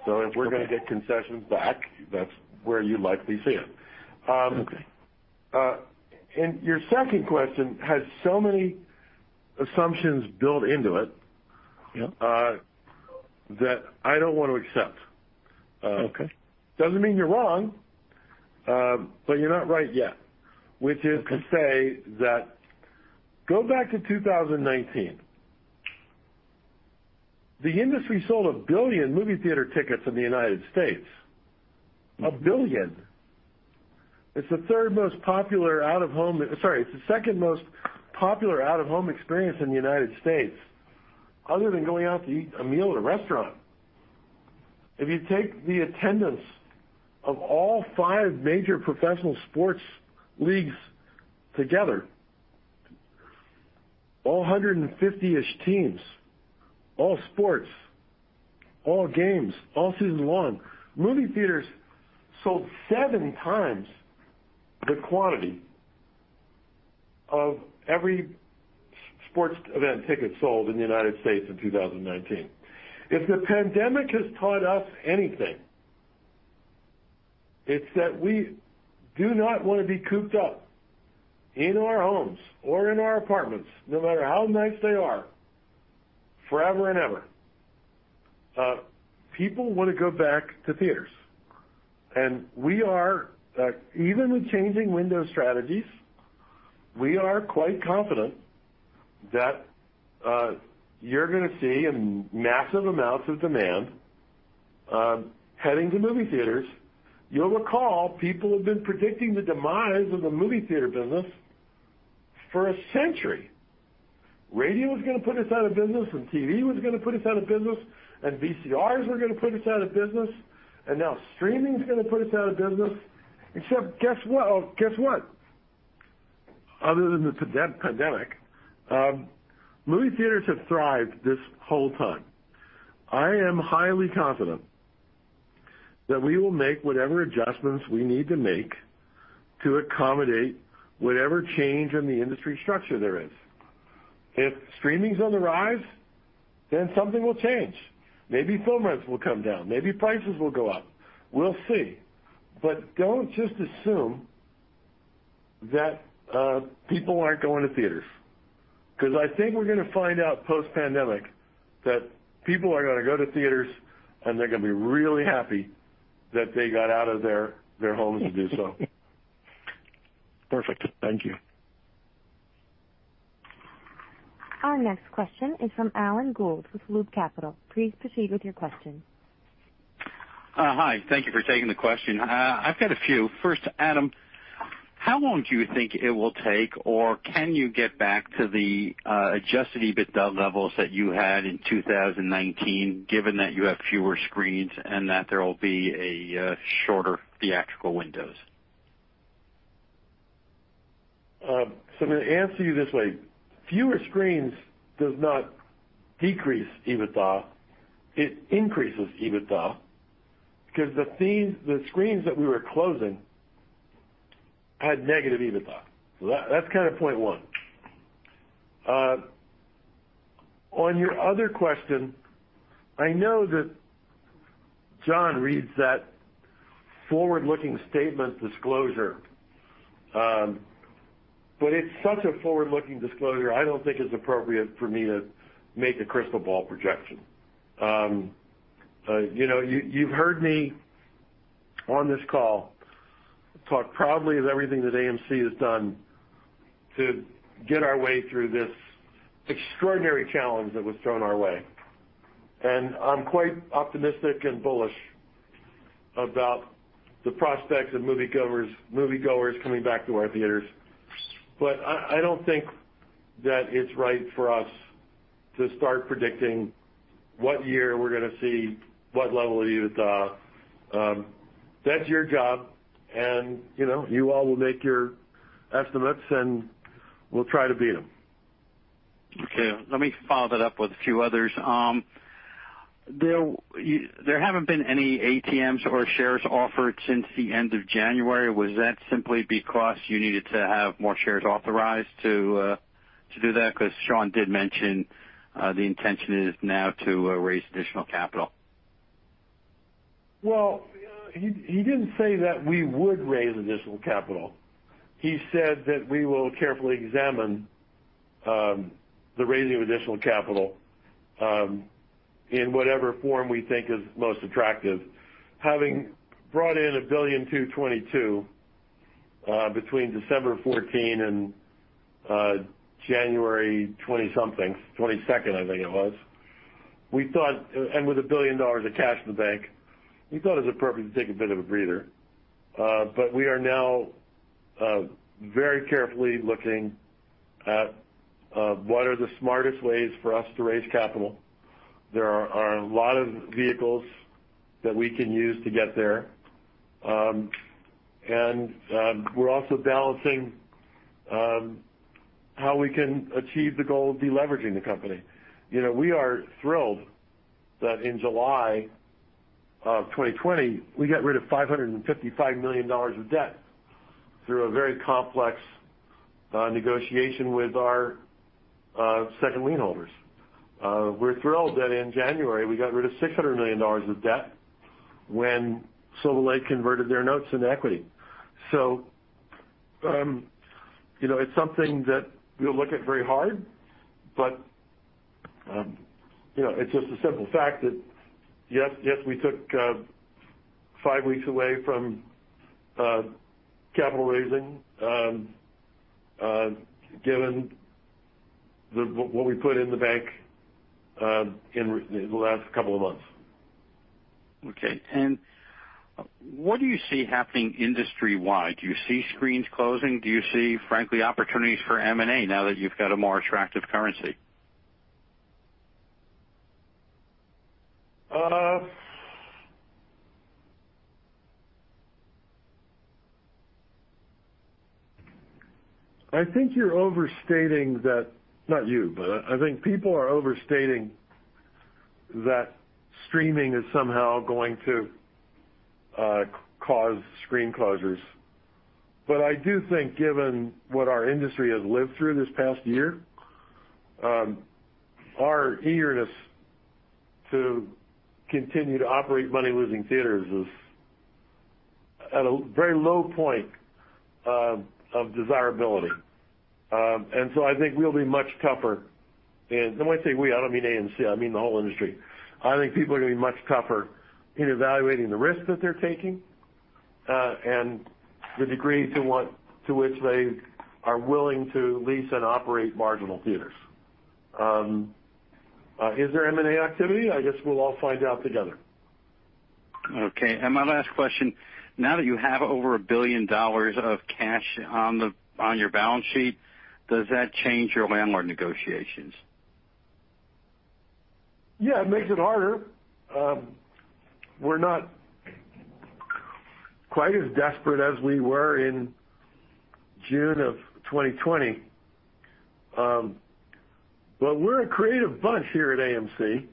[SPEAKER 3] If we're going to get concessions back, that's where you'd likely see it.
[SPEAKER 8] Okay.
[SPEAKER 3] Your second question has so many assumptions built into it.
[SPEAKER 8] Yeah
[SPEAKER 3] that I don't want to accept.
[SPEAKER 8] Okay.
[SPEAKER 3] Doesn't mean you're wrong, but you're not right yet. Which is to say that, go back to 2019. The industry sold one billion movie theater tickets in the United States. one billion. It's the second most popular out-of-home experience in the United States, other than going out to eat a meal at a restaurant. If you take the attendance of all five major professional sports leagues together, all 150-ish teams, all sports, all games, all season long, movie theaters sold seven times the quantity of every sports event ticket sold in the United States in 2019. If the pandemic has taught us anything, it's that we do not want to be cooped up in our homes or in our apartments, no matter how nice they are, forever and ever. People want to go back to theaters. Even with changing window strategies, we are quite confident that you're going to see massive amounts of demand heading to movie theaters. You'll recall, people have been predicting the demise of the movie theater business for one century. Radio was going to put us out of business, and TV was going to put us out of business, and VCRs were going to put us out of business, and now streaming's going to put us out of business. Except guess what. Other than the pandemic, movie theaters have thrived this whole time. I am highly confident that we will make whatever adjustments we need to make to accommodate whatever change in the industry structure there is. If streaming's on the rise, then something will change. Maybe film rents will come down. Maybe prices will go up. We'll see. Don't just assume that people aren't going to theaters, because I think we're going to find out post-pandemic that people are going to go to theaters, and they're going to be really happy that they got out of their homes to do so.
[SPEAKER 8] Perfect. Thank you.
[SPEAKER 1] Our next question is from Alan Gould with Loop Capital. Please proceed with your question.
[SPEAKER 9] Hi. Thank you for taking the question. I've got a few. First, Adam, how long do you think it will take, or can you get back to the adjusted EBITDA levels that you had in 2019, given that you have fewer screens and that there will be shorter theatrical windows?
[SPEAKER 3] I'm going to answer you this way. Fewer screens does not decrease EBITDA. It increases EBITDA, because the screens that we were closing had negative EBITDA. That's point one. On your other question, I know that John reads that forward-looking statement disclosure, but it's such a forward-looking disclosure, I don't think it's appropriate for me to make a crystal ball projection. You've heard me on this call talk proudly of everything that AMC has done to get our way through this extraordinary challenge that was thrown our way, and I'm quite optimistic and bullish about the prospects of moviegoers coming back to our theaters. I don't think that it's right for us to start predicting what year we're going to see what level of EBITDA. That's your job, and you all will make your estimates, and we'll try to beat them.
[SPEAKER 9] Okay. Let me follow that up with a few others. There haven't been any ATMs or shares offered since the end of January. Was that simply because you needed to have more shares authorized to do that? Sean did mention the intention is now to raise additional capital.
[SPEAKER 3] Well, he didn't say that we would raise additional capital. He said that we will carefully examine the raising of additional capital in whatever form we think is most attractive. Having brought in $1.222 billion between December 14 and January 20-something, 22, I think it was, and with a billion dollars of cash in the bank, we thought it was appropriate to take a bit of a breather. We are now very carefully looking at what are the smartest ways for us to raise capital. There are a lot of vehicles that we can use to get there. We're also balancing how we can achieve the goal of de-leveraging the company. We are thrilled that in July of 2020, we got rid of $555 million of debt through a very complex negotiation with our second lien holders. We're thrilled that in January, we got rid of $600 million of debt when Silver Lake converted their notes into equity. It's something that we'll look at very hard, but it's just a simple fact that, yes, we took five weeks away from capital raising, given what we put in the bank in the last couple of months.
[SPEAKER 9] Okay. What do you see happening industry-wide? Do you see screens closing? Do you see, frankly, opportunities for M&A now that you've got a more attractive currency?
[SPEAKER 3] I think you're overstating that. Not you, but I think people are overstating that streaming is somehow going to cause screen closures. I do think, given what our industry has lived through this past year, our eagerness to continue to operate money-losing theaters is at a very low point of desirability. I think we'll be much tougher. When I say we, I don't mean AMC, I mean the whole industry. I think people are going to be much tougher in evaluating the risks that they're taking, and the degree to which they are willing to lease and operate marginal theaters. Is there M&A activity? I guess we'll all find out together.
[SPEAKER 9] Okay. My last question, now that you have over $1 billion of cash on your balance sheet, does that change your landlord negotiations?
[SPEAKER 3] Yeah, it makes it harder. We're not quite as desperate as we were in June of 2020. We're a creative bunch here at AMC.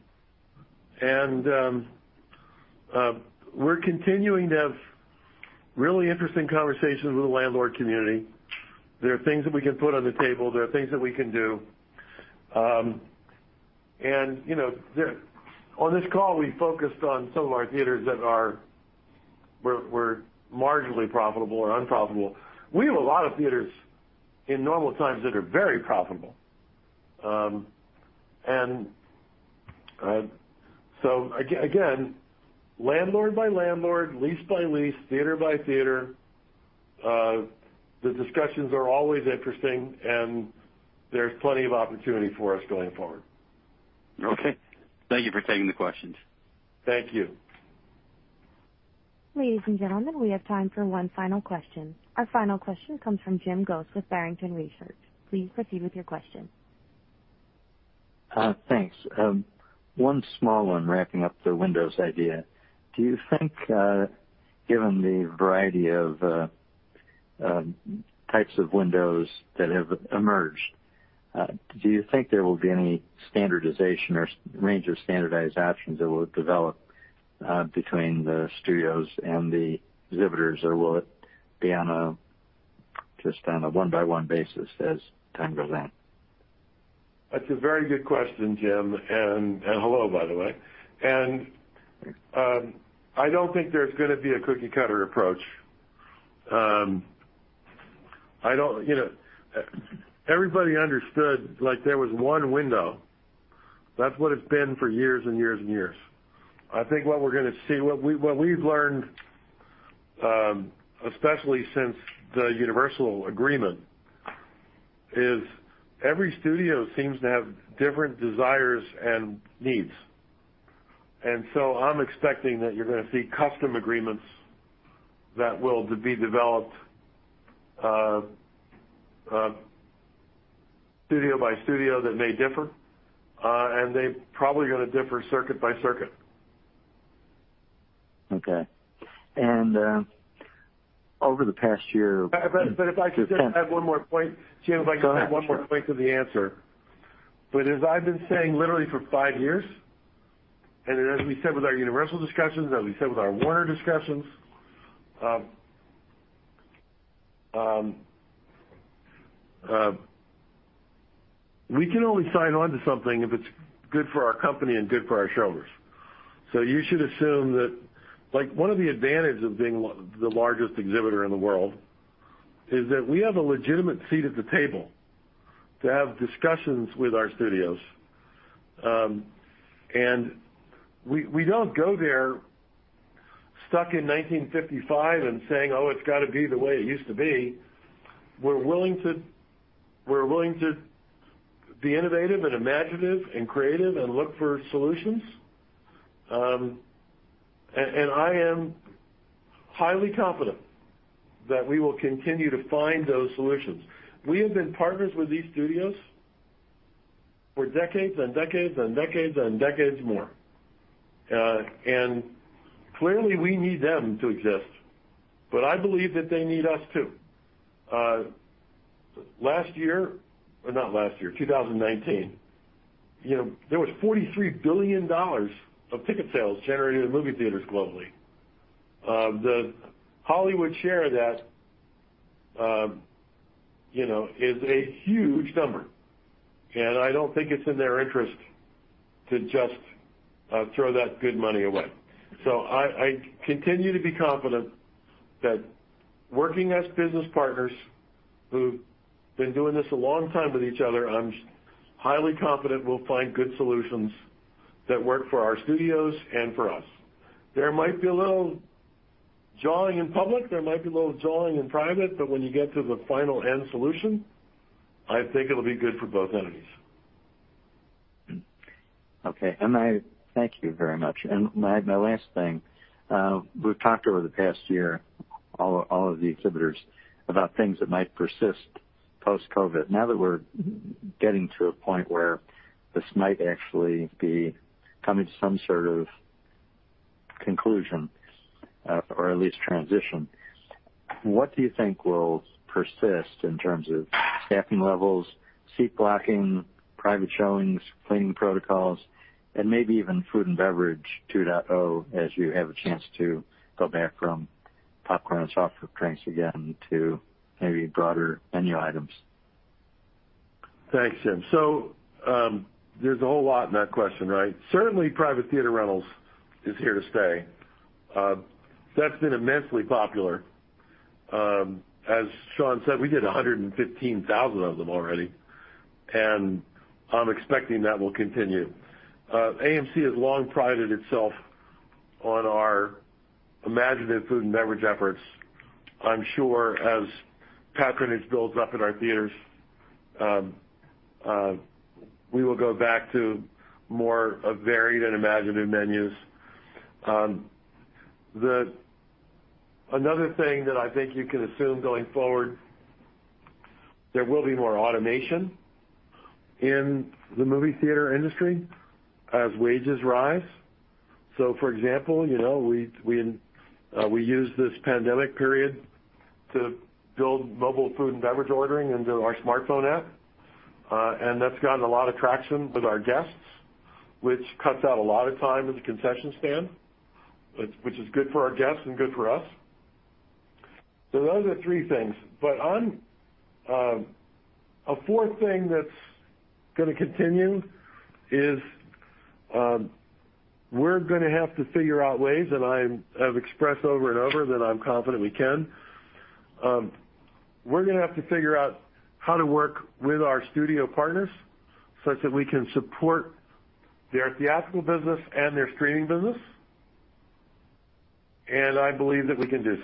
[SPEAKER 3] We're continuing to have really interesting conversations with the landlord community. There are things that we can put on the table. There are things that we can do. On this call, we focused on some of our theaters that were marginally profitable or unprofitable. We have a lot of theaters in normal times that are very profitable. Again, landlord by landlord, lease by lease, theater by theater, the discussions are always interesting, and there's plenty of opportunity for us going forward.
[SPEAKER 9] Okay. Thank you for taking the questions.
[SPEAKER 3] Thank you.
[SPEAKER 1] Ladies and gentlemen, we have time for one final question. Our final question comes from Jim Goss with Barrington Research. Please proceed with your question.
[SPEAKER 10] Thanks. One small one wrapping up the windows idea. Do you think, given the variety of types of windows that have emerged, do you think there will be any standardization or range of standardized options that will develop between the studios and the exhibitors, or will it be just on a one-by-one basis as time goes on?
[SPEAKER 3] That's a very good question, Jim, and hello, by the way. I don't think there's going to be a cookie-cutter approach. Everybody understood there was one window. That's what it's been for years and years and years. I think what we're going to see, what we've learned, especially since the Universal agreement, is every studio seems to have different desires and needs. I'm expecting that you're going to see custom agreements that will be developed studio by studio that may differ, and they're probably going to differ circuit by circuit.
[SPEAKER 10] Okay. Over the past year.
[SPEAKER 3] If I could just add one more point. Jim, if I could add one more point to the answer. As I've been saying literally for five years, and as we said with our Universal discussions, as we said with our Warner discussions, we can only sign on to something if it's good for our company and good for our shareholders. You should assume that one of the advantages of being the largest exhibitor in the world is that we have a legitimate seat at the table to have discussions with our studios. We don't go there stuck in 1955 and saying, "Oh, it's got to be the way it used to be." We're willing to be innovative and imaginative and creative and look for solutions. I am highly confident that we will continue to find those solutions. We have been partners with these studios for decades and decades and decades and decades more. Clearly, we need them to exist, but I believe that they need us, too. In 2019, there was $43 billion of ticket sales generated in movie theaters globally. The Hollywood share of that is a huge number. I don't think it's in their interest to just throw that good money away. I continue to be confident that working as business partners who've been doing this a long time with each other, I'm highly confident we'll find good solutions that work for our studios and for us. There might be a little jawing in public, there might be a little jawing in private, but when you get to the final end solution, I think it'll be good for both entities.
[SPEAKER 10] Okay. Thank you very much. My last thing, we've talked over the past year with all of the exhibitors, about things that might persist post-COVID. Now that we're getting to a point where this might actually be coming to some sort of conclusion, or at least transition, what do you think will persist in terms of staffing levels, seat blocking, private showings, cleaning protocols, and maybe even food and beverage 2.0 as you have a chance to go back from popcorn and soft drinks again to maybe broader menu items?
[SPEAKER 3] Thanks, Jim. There's a whole lot in that question, right? Certainly, private theater rentals is here to stay. That's been immensely popular. As Sean said, we did 115,000 of them already, and I'm expecting that will continue. AMC has long prided itself on our imaginative food and beverage efforts. I'm sure as patronage builds up in our theaters, we will go back to more varied and imaginative menus. Another thing that I think you can assume going forward, there will be more automation in the movie theater industry as wages rise. For example, we used this pandemic period to build mobile food and beverage ordering into our smartphone app. That's gotten a lot of traction with our guests, which cuts out a lot of time at the concession stand, which is good for our guests and good for us. Those are the three things. A fourth thing that's going to continue is we're going to have to figure out ways, and I have expressed over and over that I'm confident we can. We're going to have to figure out how to work with our studio partners such that we can support their theatrical business and their streaming business. I believe that we can do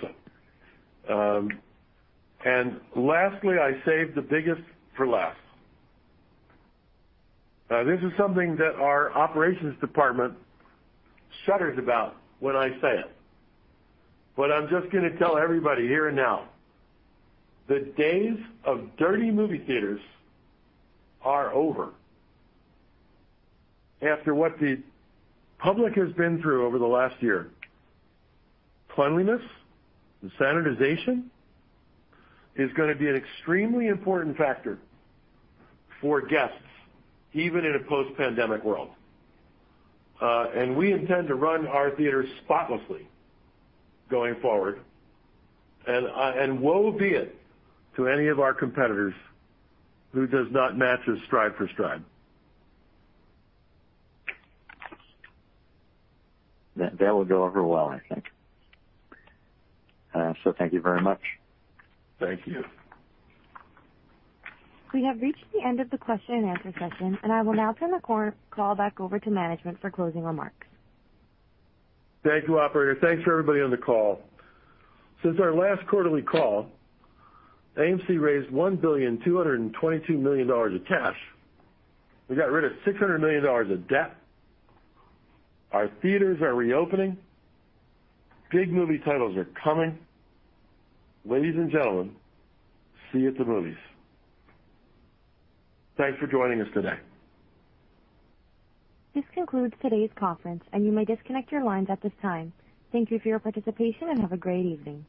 [SPEAKER 3] so. Lastly, I saved the biggest for last. This is something that our operations department shudders about when I say it. I'm just going to tell everybody here and now. The days of dirty movie theaters are over. After what the public has been through over the last year, cleanliness and sanitization is going to be an extremely important factor for guests, even in a post-pandemic world. We intend to run our theaters spotlessly going forward. Woe be it to any of our competitors who does not match us stride for stride.
[SPEAKER 10] That will go over well, I think. Thank you very much.
[SPEAKER 3] Thank you.
[SPEAKER 1] We have reached the end of the question-and-answer session, and I will now turn the call back over to management for closing remarks.
[SPEAKER 3] Thank you, operator. Thanks for everybody on the call. Since our last quarterly call, AMC raised $1.222 billion of cash. We got rid of $600 million of debt. Our theaters are reopening. Big movie titles are coming. Ladies and gentlemen, see you at the movies. Thanks for joining us today.
[SPEAKER 1] This concludes today's conference, and you may disconnect your lines at this time. Thank you for your participation, and have a great evening.